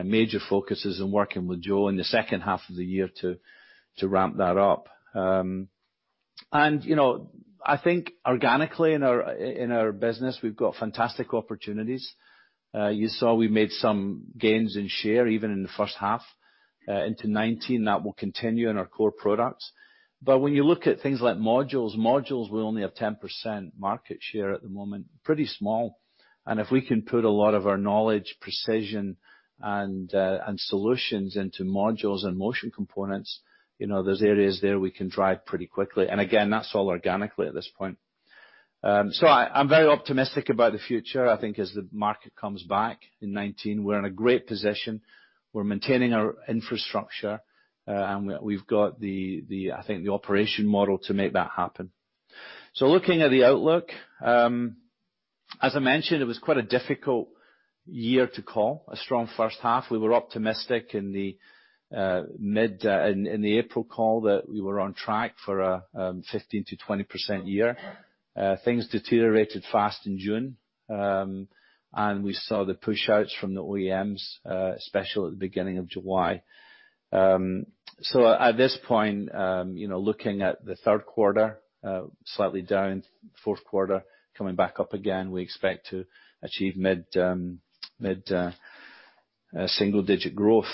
major focuses in working with Joe in the second half of the year to ramp that up. I think organically in our business, we've got fantastic opportunities. You saw we made some gains in share, even in the first half. Into 2019, that will continue in our core products. When you look at things like multi-valve modules, multi-valve modules we only have 10% market share at the moment. Pretty small. If we can put a lot of our knowledge, precision, and solutions into multi-valve modules and motion components, there's areas there we can drive pretty quickly. Again, that's all organically at this point. I'm very optimistic about the future. I think as the market comes back in 2019, we're in a great position. We're maintaining our infrastructure, and we've got, I think, the operation model to make that happen. Looking at the outlook, as I mentioned, it was quite a difficult year to call. A strong first half. We were optimistic in the April call that we were on track for a 15%-20% year. Things deteriorated fast in June, and we saw the push-outs from the OEMs, especially at the beginning of July. At this point, looking at the third quarter, slightly down. Fourth quarter, coming back up again. We expect to achieve mid single-digit growth.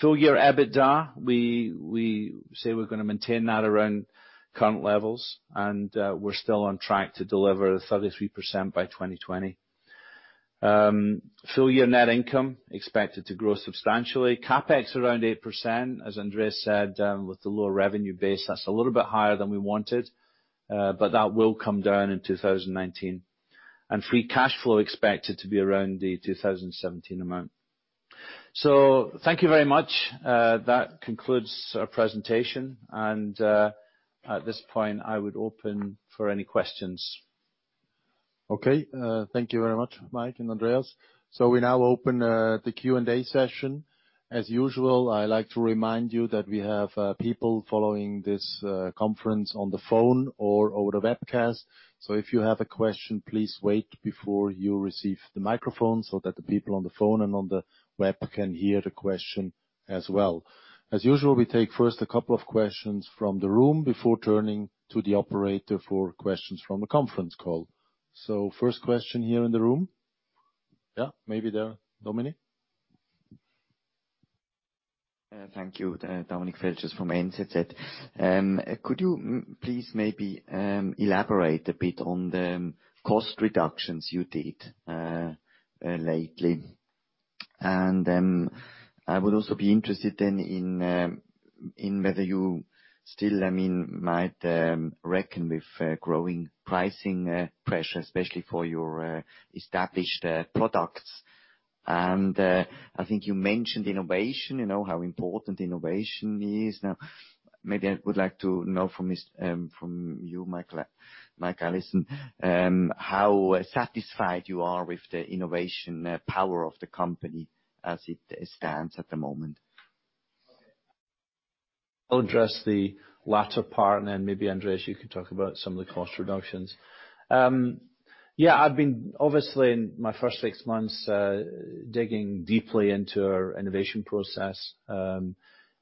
Full year EBITDA, we say we're gonna maintain that around current levels, and we're still on track to deliver the 33% by 2020. Full year net income expected to grow substantially. CapEx around 8%, as Andreas said, with the lower revenue base. That's a little bit higher than we wanted. That will come down in 2019. Free cash flow expected to be around the 2017 amount. Thank you very much. That concludes our presentation. At this point, I would open for any questions. Okay. Thank you very much, Mike and Andreas. We now open the Q&A session. As usual, I like to remind you that we have people following this conference on the phone or over the webcast. If you have a question, please wait before you receive the microphone so that the people on the phone and on the web can hear the question as well. As usual, we take first a couple of questions from the room before turning to the operator for questions from the conference call. First question here in the room. Yeah, maybe there, Dominic. Thank you. Dominic Feltrus from NZZ. Could you please maybe elaborate a bit on the cost reductions you did lately? I would also be interested in whether you still might reckon with growing pricing pressure, especially for your established products. I think you mentioned innovation, how important innovation is. Maybe I would like to know from you, Michael Allison, how satisfied you are with the innovation power of the company as it stands at the moment. I'll address the latter part, then maybe Andreas, you can talk about some of the cost reductions. I've been obviously in my first six months, digging deeply into our innovation process.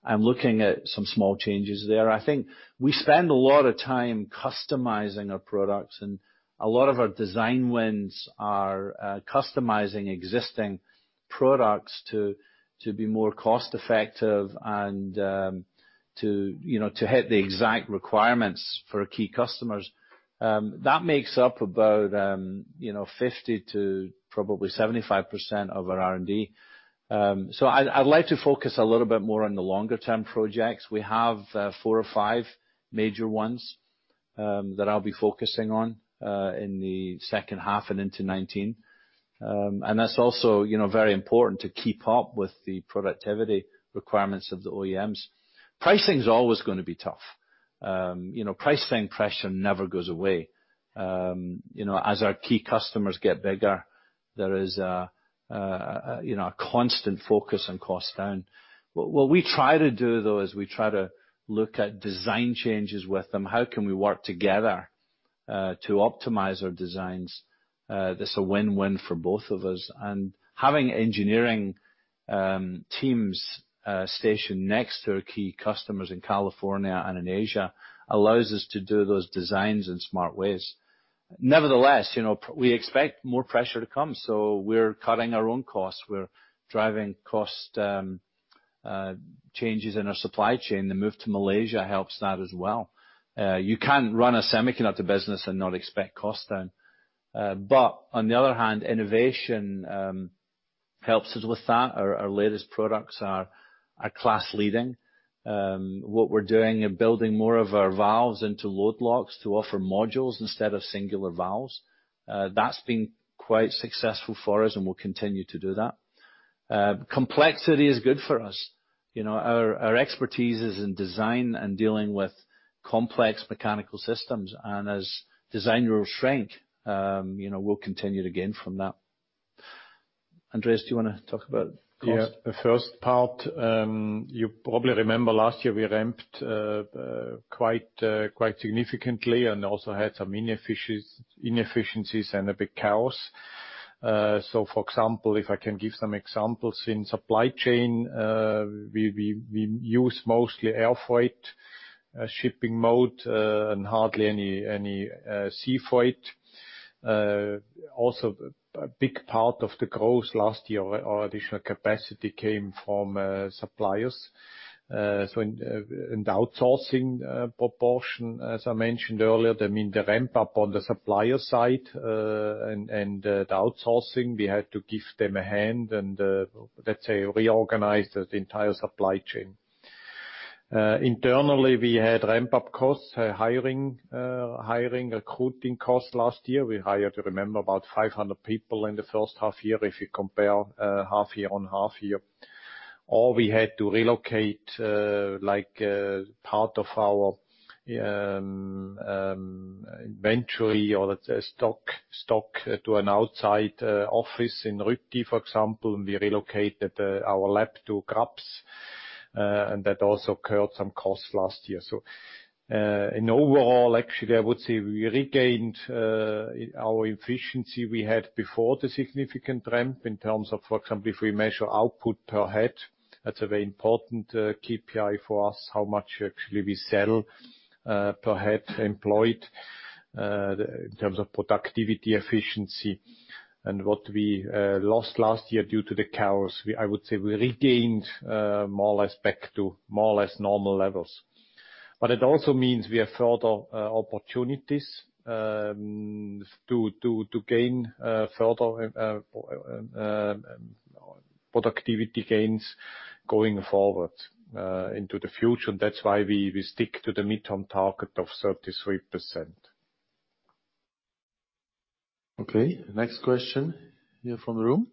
I'm looking at some small changes there. I think we spend a lot of time customizing our products, and a lot of our design wins are customizing existing products to be more cost effective and to hit the exact requirements for our key customers. That makes up about 50%-75% of our R&D. I'd like to focus a little bit more on the longer term projects. We have four or five major ones that I'll be focusing on in the second half and into 2019. That's also very important to keep up with the productivity requirements of the OEMs. Pricing is always gonna be tough. Pricing pressure never goes away. As our key customers get bigger, there is a constant focus on cost down. What we try to do, though, is we try to look at design changes with them. How can we work together to optimize our designs that's a win-win for both of us? Having engineering teams stationed next to our key customers in California and in Asia allows us to do those designs in smart ways. Nevertheless, we expect more pressure to come. We're cutting our own costs. We're driving cost changes in our supply chain. The move to Malaysia helps that as well. You can't run a semiconductor business and not expect cost down. On the other hand, innovation helps us with that. Our latest products are class-leading. What we're doing in building more of our valves into load locks to offer modules instead of singular valves. That's been quite successful for us, and we'll continue to do that. Complexity is good for us. Our expertise is in design and dealing with complex mechanical systems, and as design rules shrink, we'll continue to gain from that. Andreas, do you want to talk about cost? Yeah. The first part, you probably remember last year we ramped quite significantly and also had some inefficiencies and a big chaos. For example, if I can give some examples. In supply chain, we use mostly air freight shipping mode, and hardly any sea freight. A big part of the growth last year, our additional capacity came from suppliers. In the outsourcing proportion, as I mentioned earlier, the ramp-up on the supplier side, and the outsourcing, we had to give them a hand and, let's say, reorganized the entire supply chain. Internally, we had ramp-up costs, hiring, recruiting costs last year. We hired, you remember, about 500 people in the first half year. If you compare half year on half year. We had to relocate part of our inventory or, let's say, stock to an outside office in Rüti, for example, and we relocated our lab to Haag, and that also incurred some costs last year. In overall, actually, I would say we regained our efficiency we had before the significant ramp in terms of, for example, if we measure output per head. That's a very important KPI for us, how much actually we sell per head employed, in terms of productivity efficiency. What we lost last year due to the chaos, I would say we regained more or less back to more or less normal levels. It also means we have further opportunities to gain further productivity gains going forward into the future. That's why we stick to the midterm target of 33%. Okay. Next question here from the room.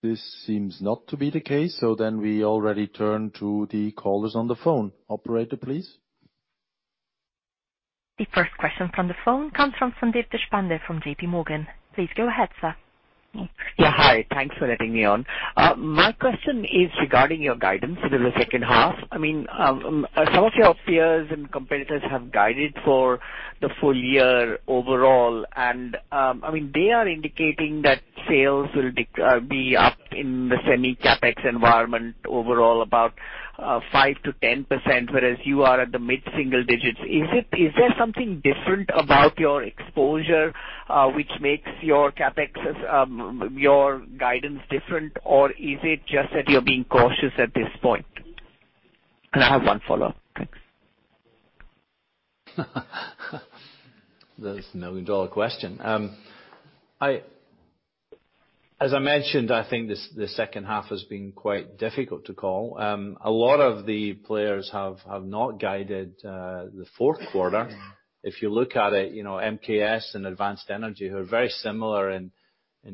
This seems not to be the case, we already turn to the callers on the phone. Operator, please. The first question from the phone comes from Sandeep Deshpande from JPMorgan. Please go ahead, sir. Yeah. Hi, thanks for letting me on. My question is regarding your guidance for the second half. Some of your peers and competitors have guided for the full year overall, and they are indicating that sales will be up in the semi-CapEx environment overall about 5%-10%, whereas you are at the mid-single digits. Is there something different about your exposure, which makes your guidance different? Or is it just that you're being cautious at this point? I have one follow. Thanks. That is the million-dollar question. As I mentioned, I think the second half has been quite difficult to call. A lot of the players have not guided the fourth quarter. If you look at it, MKS and Advanced Energy, who are very similar in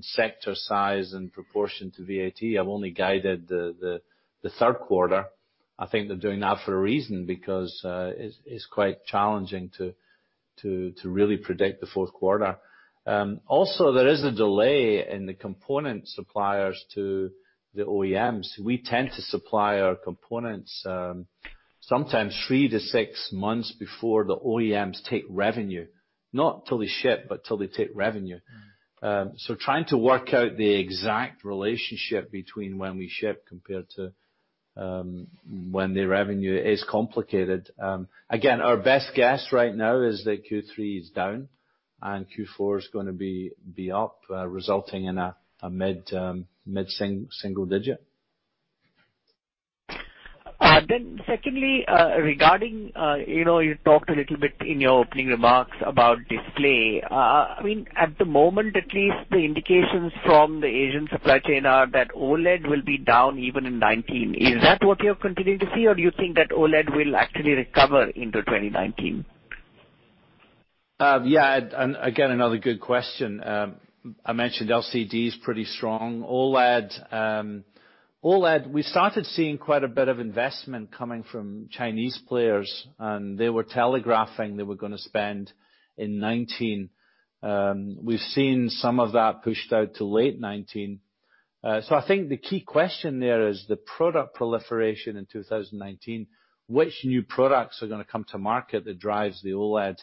sector size and proportion to VAT, have only guided the third quarter. I think they're doing that for a reason, because it's quite challenging to really predict the fourth quarter. Also, there is a delay in the component suppliers to the OEMs. We tend to supply our components sometimes three to six months before the OEMs take revenue. Not till they ship, but till they take revenue. Trying to work out the exact relationship between when we ship compared to when they revenue is complicated. Our best guess right now is that Q3 is down and Q4 is going to be up, resulting in a mid-single digit. Secondly, regarding, you talked a little bit in your opening remarks about display. At the moment, at least, the indications from the Asian supply chain are that OLED will be down even in 2019. Is that what you're continuing to see, or do you think that OLED will actually recover into 2019? Again, another good question. I mentioned LCD is pretty strong. OLED, we started seeing quite a bit of investment coming from Chinese players, and they were telegraphing they were going to spend in 2019. We've seen some of that pushed out to late 2019. I think the key question there is the product proliferation in 2019. Which new products are going to come to market that drives the OLED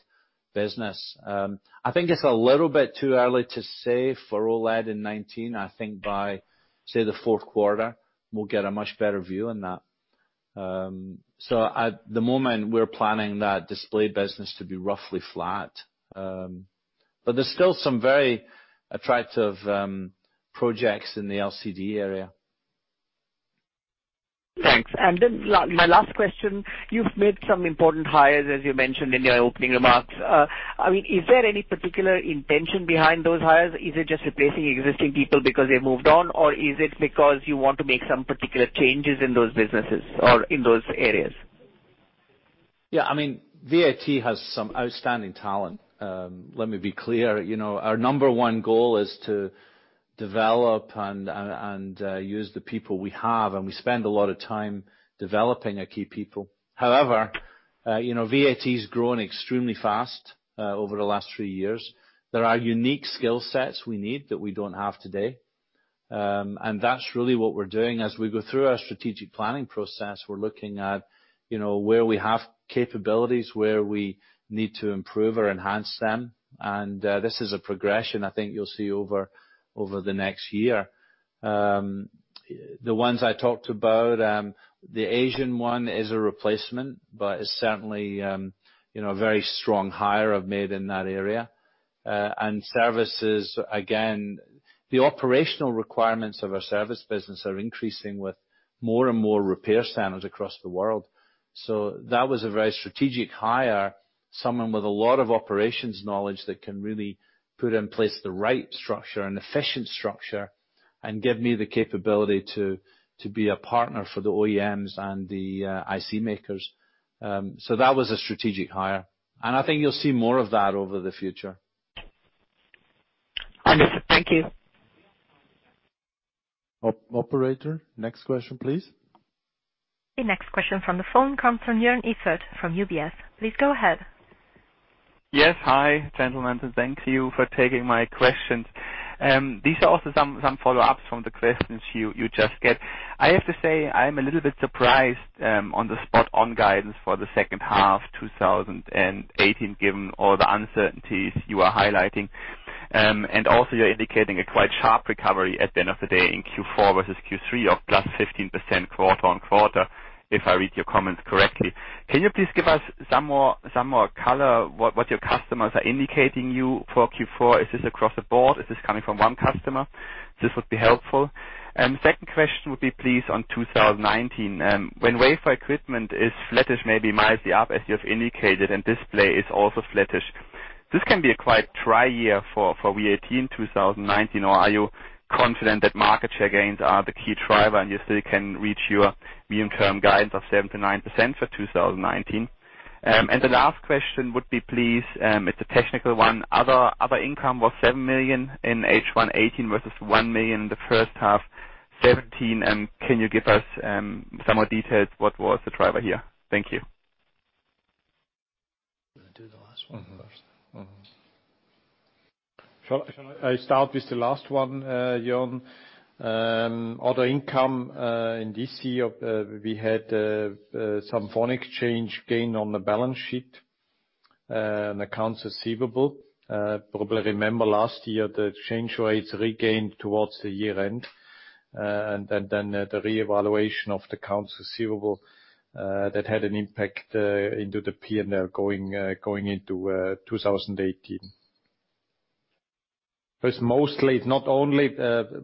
business? I think it's a little bit too early to say for OLED in 2019. I think by, say, the fourth quarter, we'll get a much better view on that. At the moment, we're planning that display business to be roughly flat. There's still some very attractive projects in the LCD area Thanks. Then my last question, you've made some important hires, as you mentioned in your opening remarks. Is there any particular intention behind those hires? Is it just replacing existing people because they moved on, or is it because you want to make some particular changes in those businesses or in those areas? Yeah. VAT has some outstanding talent. Let me be clear. Our number one goal is to develop and use the people we have, and we spend a lot of time developing our key people. However, VAT's grown extremely fast over the last 3 years. There are unique skill sets we need that we don't have today. That's really what we're doing. As we go through our strategic planning process, we're looking at where we have capabilities, where we need to improve or enhance them. This is a progression I think you'll see over the next year. The ones I talked about, the Asian one is a replacement, but it's certainly a very strong hire I've made in that area. Services, again, the operational requirements of our service business are increasing with more and more repair centers across the world. That was a very strategic hire. Someone with a lot of operations knowledge that can really put in place the right structure and efficient structure and give me the capability to be a partner for the OEMs and the IC makers. That was a strategic hire, and I think you'll see more of that over the future. Understood. Thank you. Operator, next question, please. The next question from the phone comes from Joern Iffert from UBS. Please go ahead. Yes. Hi, gentlemen, and thank you for taking my questions. These are also some follow-ups from the questions you just get. I have to say, I'm a little bit surprised on the spot on guidance for the second half 2018, given all the uncertainties you are highlighting. Also you're indicating a quite sharp recovery at the end of the day in Q4 versus Q3 of +15% quarter-on-quarter, if I read your comments correctly. Can you please give us some more color what your customers are indicating you for Q4? Is this across the board? Is this coming from one customer? This would be helpful. Second question would be please on 2019. When wafer equipment is flattish, maybe mildly up, as you have indicated, and display is also flattish. This can be a quite dry year for VAT in 2019, or are you confident that market share gains are the key driver and you still can reach your medium-term guidance of 7%-9% for 2019? The last question would be, please, it's a technical one. Other income was 7 million in H1 2018 versus 1 million in the first half 2017. Can you give us some more details? What was the driver here? Thank you. Do you want to do the last one first? Mm-hmm. Shall I start with the last one, Joern? Other income, in this year, we had some foreign exchange gain on the balance sheet, accounts receivable. Probably remember last year, the exchange rates regained towards the year-end. The reevaluation of the accounts receivable, that had an impact into the P&L going into 2018. It's mostly, it's not only,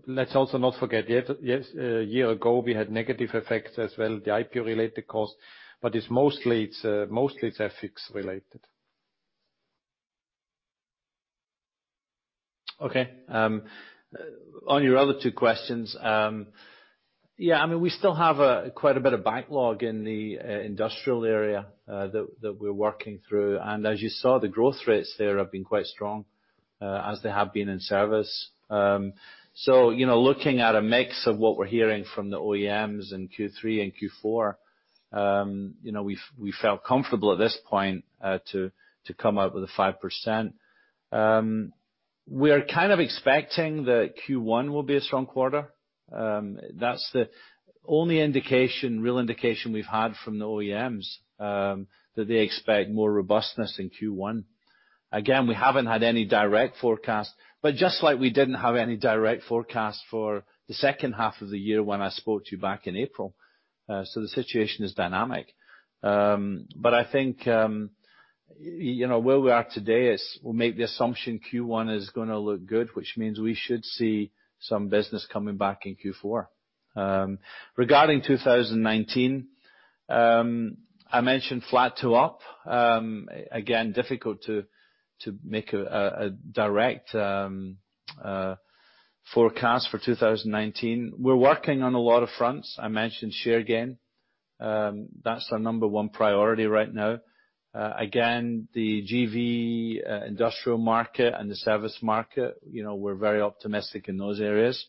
let's also not forget, a year ago, we had negative effects as well, the IPO related cost. Mostly it's FX related. Okay. On your other two questions. Yeah, we still have quite a bit of backlog in the industrial area that we're working through. As you saw, the growth rates there have been quite strong, as they have been in service. Looking at a mix of what we're hearing from the OEMs in Q3 and Q4, we felt comfortable at this point, to come out with a 5%. We are kind of expecting that Q1 will be a strong quarter. That's the only real indication we've had from the OEMs, that they expect more robustness in Q1. Again, we haven't had any direct forecast, just like we didn't have any direct forecast for the second half of the year when I spoke to you back in April. The situation is dynamic. I think, where we are today is, we'll make the assumption Q1 is going to look good, which means we should see some business coming back in Q4. Regarding 2019, I mentioned flat to up. Again, difficult to make a direct forecast for 2019. We're working on a lot of fronts. I mentioned share gain. That's our number one priority right now. Again, the GV industrial market and the service market, we're very optimistic in those areas.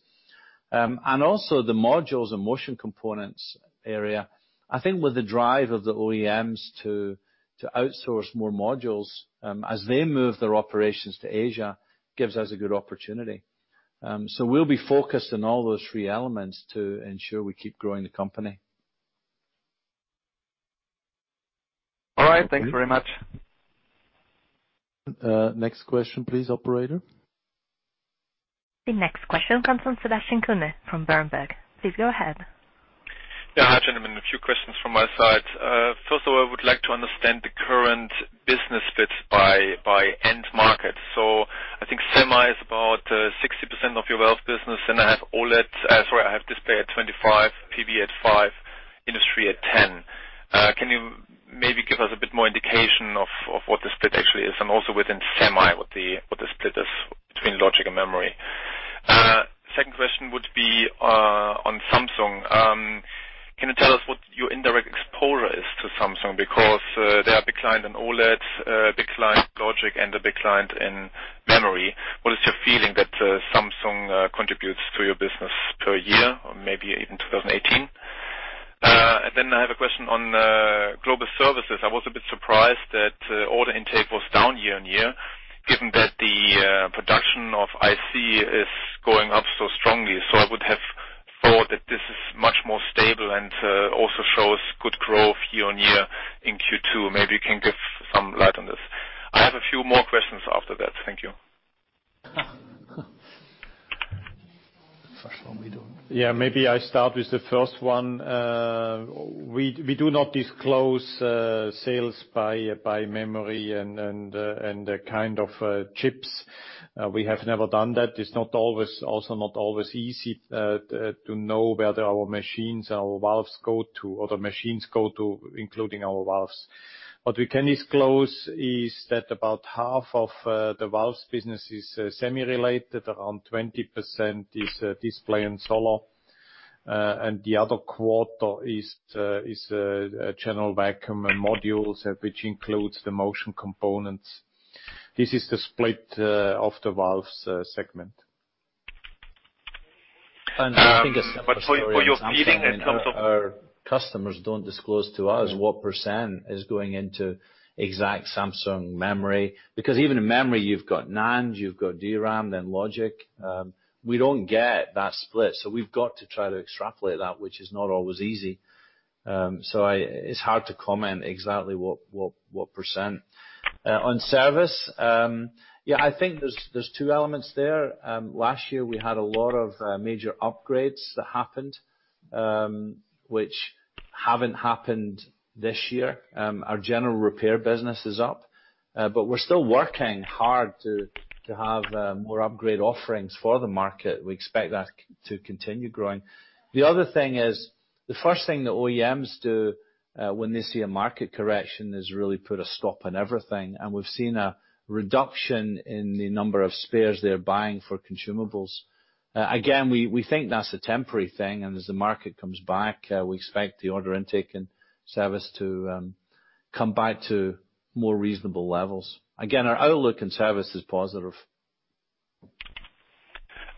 Also the modules and motion components area. I think with the drive of the OEMs to outsource more modules, as they move their operations to Asia, gives us a good opportunity. We'll be focused on all those three elements to ensure we keep growing the company. All right. Thanks very much. Next question please, operator. The next question comes from Sebastian Kuenne from Berenberg. Please go ahead. Yeah. Hi, gentlemen. A few questions from my side. First of all, I would like to understand the current business. I think semi is about 60% of your valve business, I have OLED, sorry, I have display at 25, PV at five, industry at 10. Can you maybe give us a bit more indication of what the split actually is? Also within semi, what the split is between logic and memory. Second question would be on Samsung. Can you tell us what your indirect exposure is to Samsung? They are a big client in OLED, a big client in logic, and a big client in memory. What is your feeling that Samsung contributes to your business per year or maybe in 2018? I have a question on global services. I was a bit surprised that order intake was down year-over-year, given that the production of IC is going up so strongly. I would have thought that this is much more stable and also shows good growth year-on-year in Q2. Maybe you can give some light on this. I have a few more questions after that. Thank you. First one we do. Maybe I start with the first one. We do not disclose sales by memory and the kind of chips. We have never done that. It is also not always easy to know where our machines, our valves go to, or the machines go to, including our valves. What we can disclose is that about half of the valves business is semi-related, around 20% is display and solar, and the other quarter is General Vacuum and modules, which includes the motion components. This is the split of the valves segment. I think a separate story on Samsung For your feeling in terms of- Our customers don't disclose to us what % is going into exact Samsung memory, because even in memory, you've got NAND, you've got DRAM, then logic. We don't get that split, so we've got to try to extrapolate that, which is not always easy. It's hard to comment exactly what %. On service, I think there's two elements there. Last year, we had a lot of major upgrades that happened, which haven't happened this year. Our general repair business is up, but we're still working hard to have more upgrade offerings for the market. We expect that to continue growing. The other thing is, the first thing the OEMs do when they see a market correction is really put a stop on everything. We've seen a reduction in the number of spares they're buying for consumables. Again, we think that's a temporary thing, and as the market comes back, we expect the order intake and service to come back to more reasonable levels. Again, our outlook in service is positive.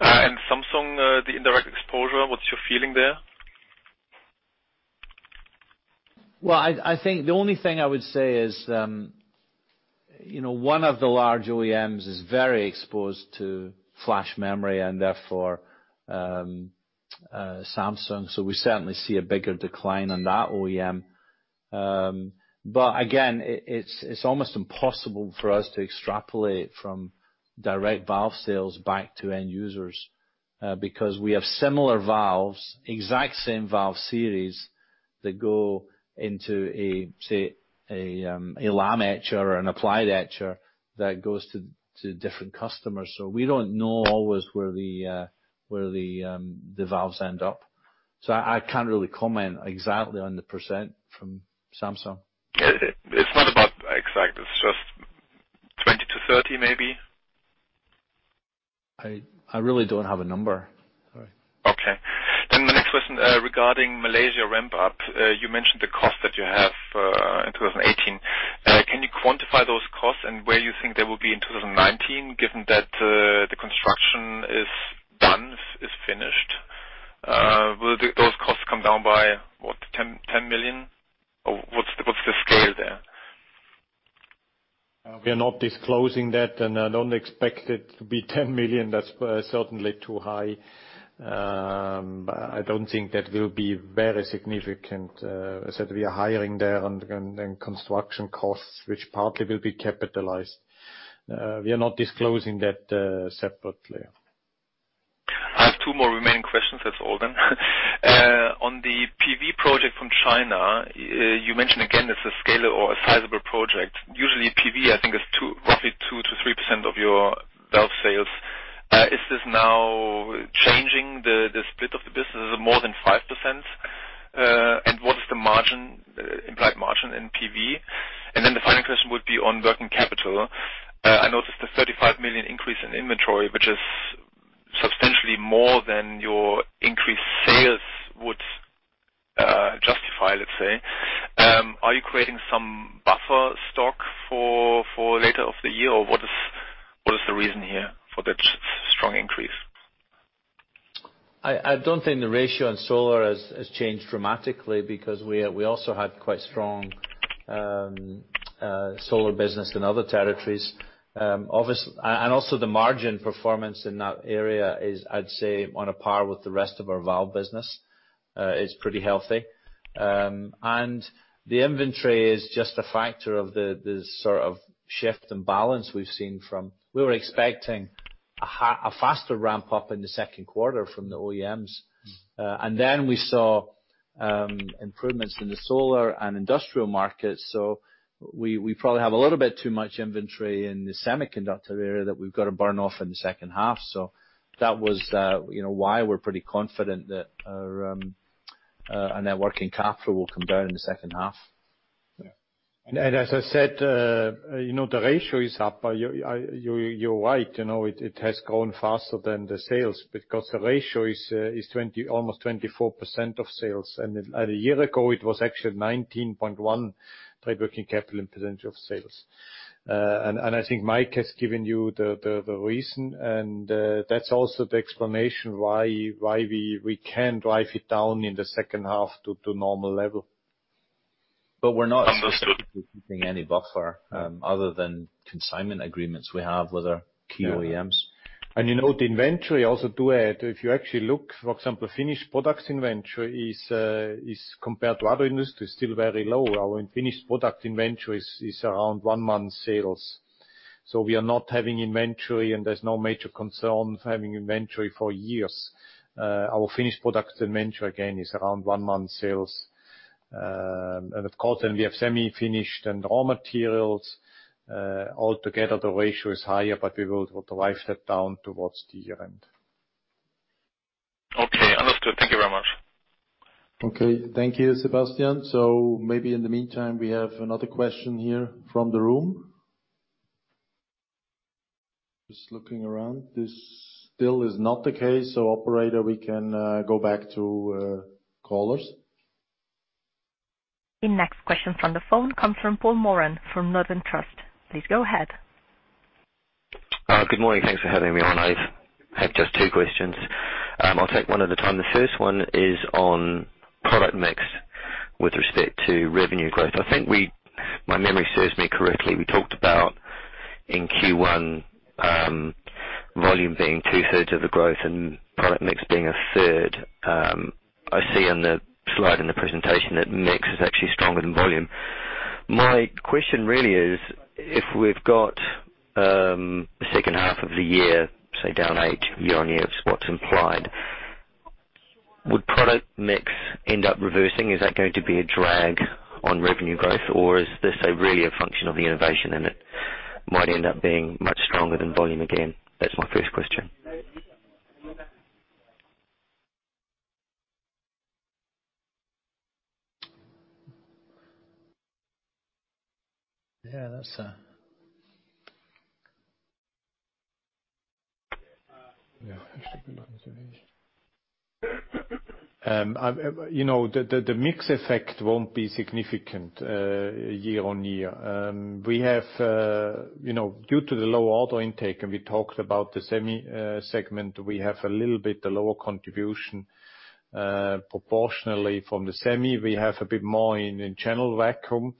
Samsung, the indirect exposure, what's your feeling there? I think the only thing I would say is, one of the large OEMs is very exposed to flash memory, and therefore, Samsung. We certainly see a bigger decline on that OEM. Again, it's almost impossible for us to extrapolate from direct valve sales back to end users, because we have similar valves, exact same valve series that go into a, say, a Lam etcher or an Applied etcher that goes to different customers. We don't know always where the valves end up. I can't really comment exactly on the % from Samsung. It's not about exact, it's just 20 to 30, maybe? I really don't have a number. Sorry. Okay. The next question regarding Malaysia ramp up. You mentioned the cost that you have in 2018. Can you quantify those costs and where you think they will be in 2019, given that the construction is done, is finished? Will those costs come down by, what, 10 million? What's the scale there? We are not disclosing that. I don't expect it to be 10 million. That's certainly too high. I don't think that will be very significant, except we are hiring there and construction costs, which partly will be capitalized. We are not disclosing that separately. I have two more remaining questions, that's all then. On the PV project from China, you mentioned again, it's a scale or a sizable project. Usually, PV, I think is roughly 2%-3% of your valve sales. Is this now changing the split of the business? Is it more than 5%? What is the margin, implied margin in PV? The final question would be on working capital. I noticed a 35 million increase in inventory, which is substantially more than your increased sales would justify, let's say. Are you creating some buffer stock for later of the year, or what is the reason here for that strong increase? I don't think the ratio on solar has changed dramatically because we also had quite strong solar business in other territories. Also, the margin performance in that area is, I'd say, on a par with the rest of our valve business, is pretty healthy. The inventory is just a factor of the sort of shift in balance we've seen. We were expecting a faster ramp-up in the second quarter from the OEMs. We saw improvements in the solar and industrial markets. We probably have a little bit too much inventory in the semiconductor area that we've got to burn off in the second half. That was why we're pretty confident that our net working capital will come down in the second half. Yeah. As I said, the ratio is up. You're right. It has grown faster than the sales because the ratio is almost 24% of sales. A year ago, it was actually 19.1 working capital in percentage of sales. I think Mike has given you the reason, and that's also the explanation why we can drive it down in the second half to normal level. We're not keeping any buffer other than consignment agreements we have with our key OEMs. The inventory also to add, if you actually look, for example, finished products inventory is, compared to other industries, still very low. Our finished product inventory is around one month sales. We are not having inventory, and there's no major concern of having inventory for years. Our finished product inventory, again, is around one month sales. Of course, then we have semi-finished and raw materials. Altogether, the ratio is higher, we will drive that down towards the year-end. Okay. Understood. Thank you very much. Okay. Thank you, Sebastian. Maybe in the meantime, we have another question here from the room. Just looking around. This still is not the case, operator, we can go back to callers. The next question from the phone comes from Paul Moran from Northern Trust. Please go ahead. Good morning. Thanks for having me on. I have just two questions. I will take one at a time. The first one is on product mix with respect to revenue growth. I think my memory serves me correctly, we talked about in Q1, volume being two-thirds of the growth and product mix being a third. I see on the slide in the presentation that mix is actually stronger than volume. My question really is, if we have got the second half of the year, say down eight year-on-year is what is implied, would product mix end up reversing? Is that going to be a drag on revenue growth, or is this really a function of the innovation and it might end up being much stronger than volume again? That is my first question. The mix effect won't be significant year-on-year. Due to the low order intake, and we talked about the semi segment, we have a little bit lower contribution proportionally from the semi. We have a bit more in General Vacuum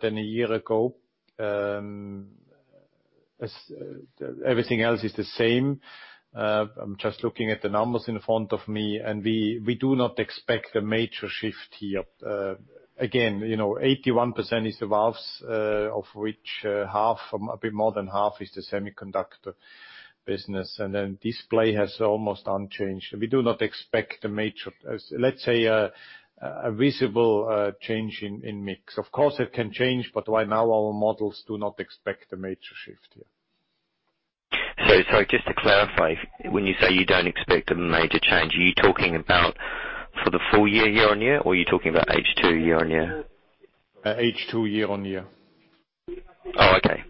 than a year ago. Everything else is the same. I am just looking at the numbers in front of me, and we do not expect a major shift here. Again, 81% is the valves, of which a bit more than half is the semiconductor business. Display has almost unchanged. We do not expect, let's say, a visible change in mix. Of course, it can change, but right now our models do not expect a major shift here. Sorry, just to clarify, when you say you don't expect a major change, are you talking about for the full year-on-year, or are you talking about H2 year-on-year? H2 year-on-year. Oh, okay.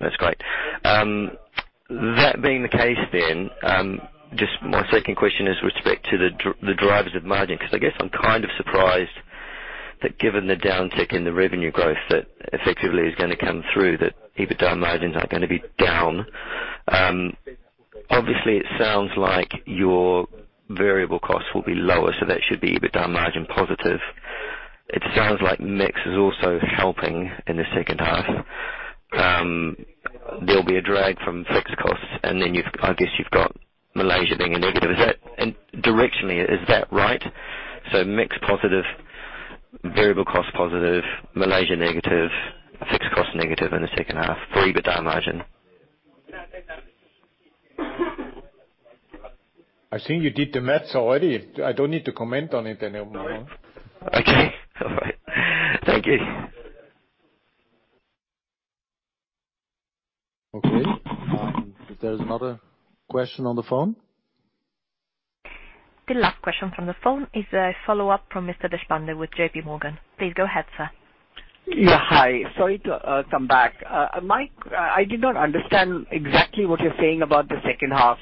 That is great. That being the case then, just my second question is with respect to the drivers of margin, because I guess I am kind of surprised that given the downtick in the revenue growth, that effectively is going to come through, that EBITDA margins are going to be down. Obviously, it sounds like your variable costs will be lower, so that should be EBITDA margin positive. It sounds like mix is also helping in the second half. There will be a drag from fixed costs, and then I guess you have got Malaysia being a negative. Directionally, is that right? Mix positive, variable cost positive, Malaysia negative, fixed cost negative in the second half for EBITDA margin. I think you did the math already. I do not need to comment on it anymore. No. Okay. All right. Thank you. Okay. If there's another question on the phone? The last question from the phone is a follow-up from Mr. Deshpande with JPMorgan. Please go ahead, sir. Yeah. Hi. Sorry to come back. Mike, I did not understand exactly what you're saying about the second half.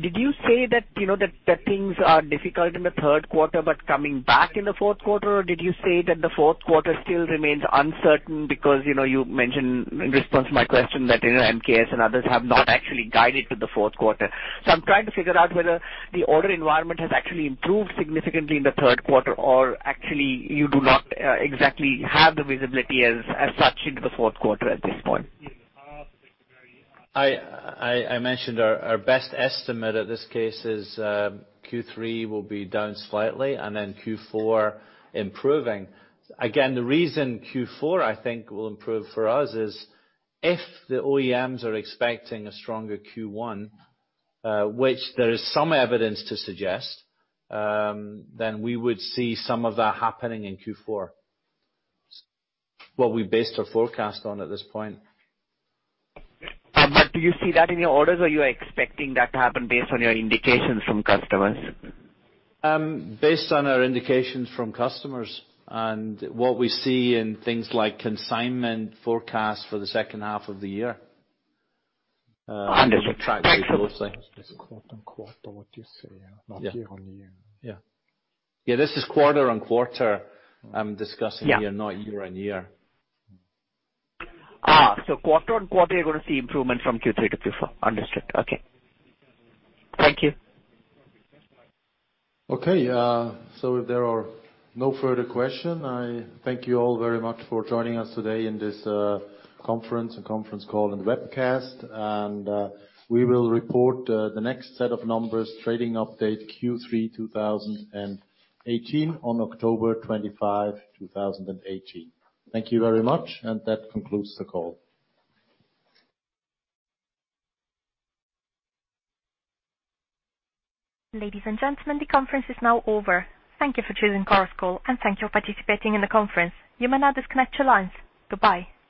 Did you say that things are difficult in the third quarter, but coming back in the fourth quarter, or did you say that the fourth quarter still remains uncertain because you mentioned in response to my question that MKS and others have not actually guided to the fourth quarter. I'm trying to figure out whether the order environment has actually improved significantly in the third quarter or actually you do not exactly have the visibility as such into the fourth quarter at this point. I mentioned our best estimate at this case is Q3 will be down slightly and then Q4 improving. Again, the reason Q4, I think, will improve for us is if the OEMs are expecting a stronger Q1, which there is some evidence to suggest, then we would see some of that happening in Q4. It's what we based our forecast on at this point. Do you see that in your orders, or you are expecting that to happen based on your indications from customers? Based on our indications from customers and what we see in things like consignment forecasts for the second half of the year. Understood. Thank you. This is quarter-on-quarter, what you say, not year-on-year. Yeah. This is quarter-on-quarter I'm discussing here. Yeah Not year-on-year. Quarter-on-quarter, you're going to see improvement from Q3 to Q4. Understood. Okay. Thank you. Okay. If there are no further question, I thank you all very much for joining us today in this conference call and webcast. We will report the next set of numbers, trading update Q3 2018 on October 25, 2018. Thank you very much. That concludes the call. Ladies and gentlemen, the conference is now over. Thank you for choosing Chorus Call, and thank you for participating in the conference. You may now disconnect your lines. Goodbye.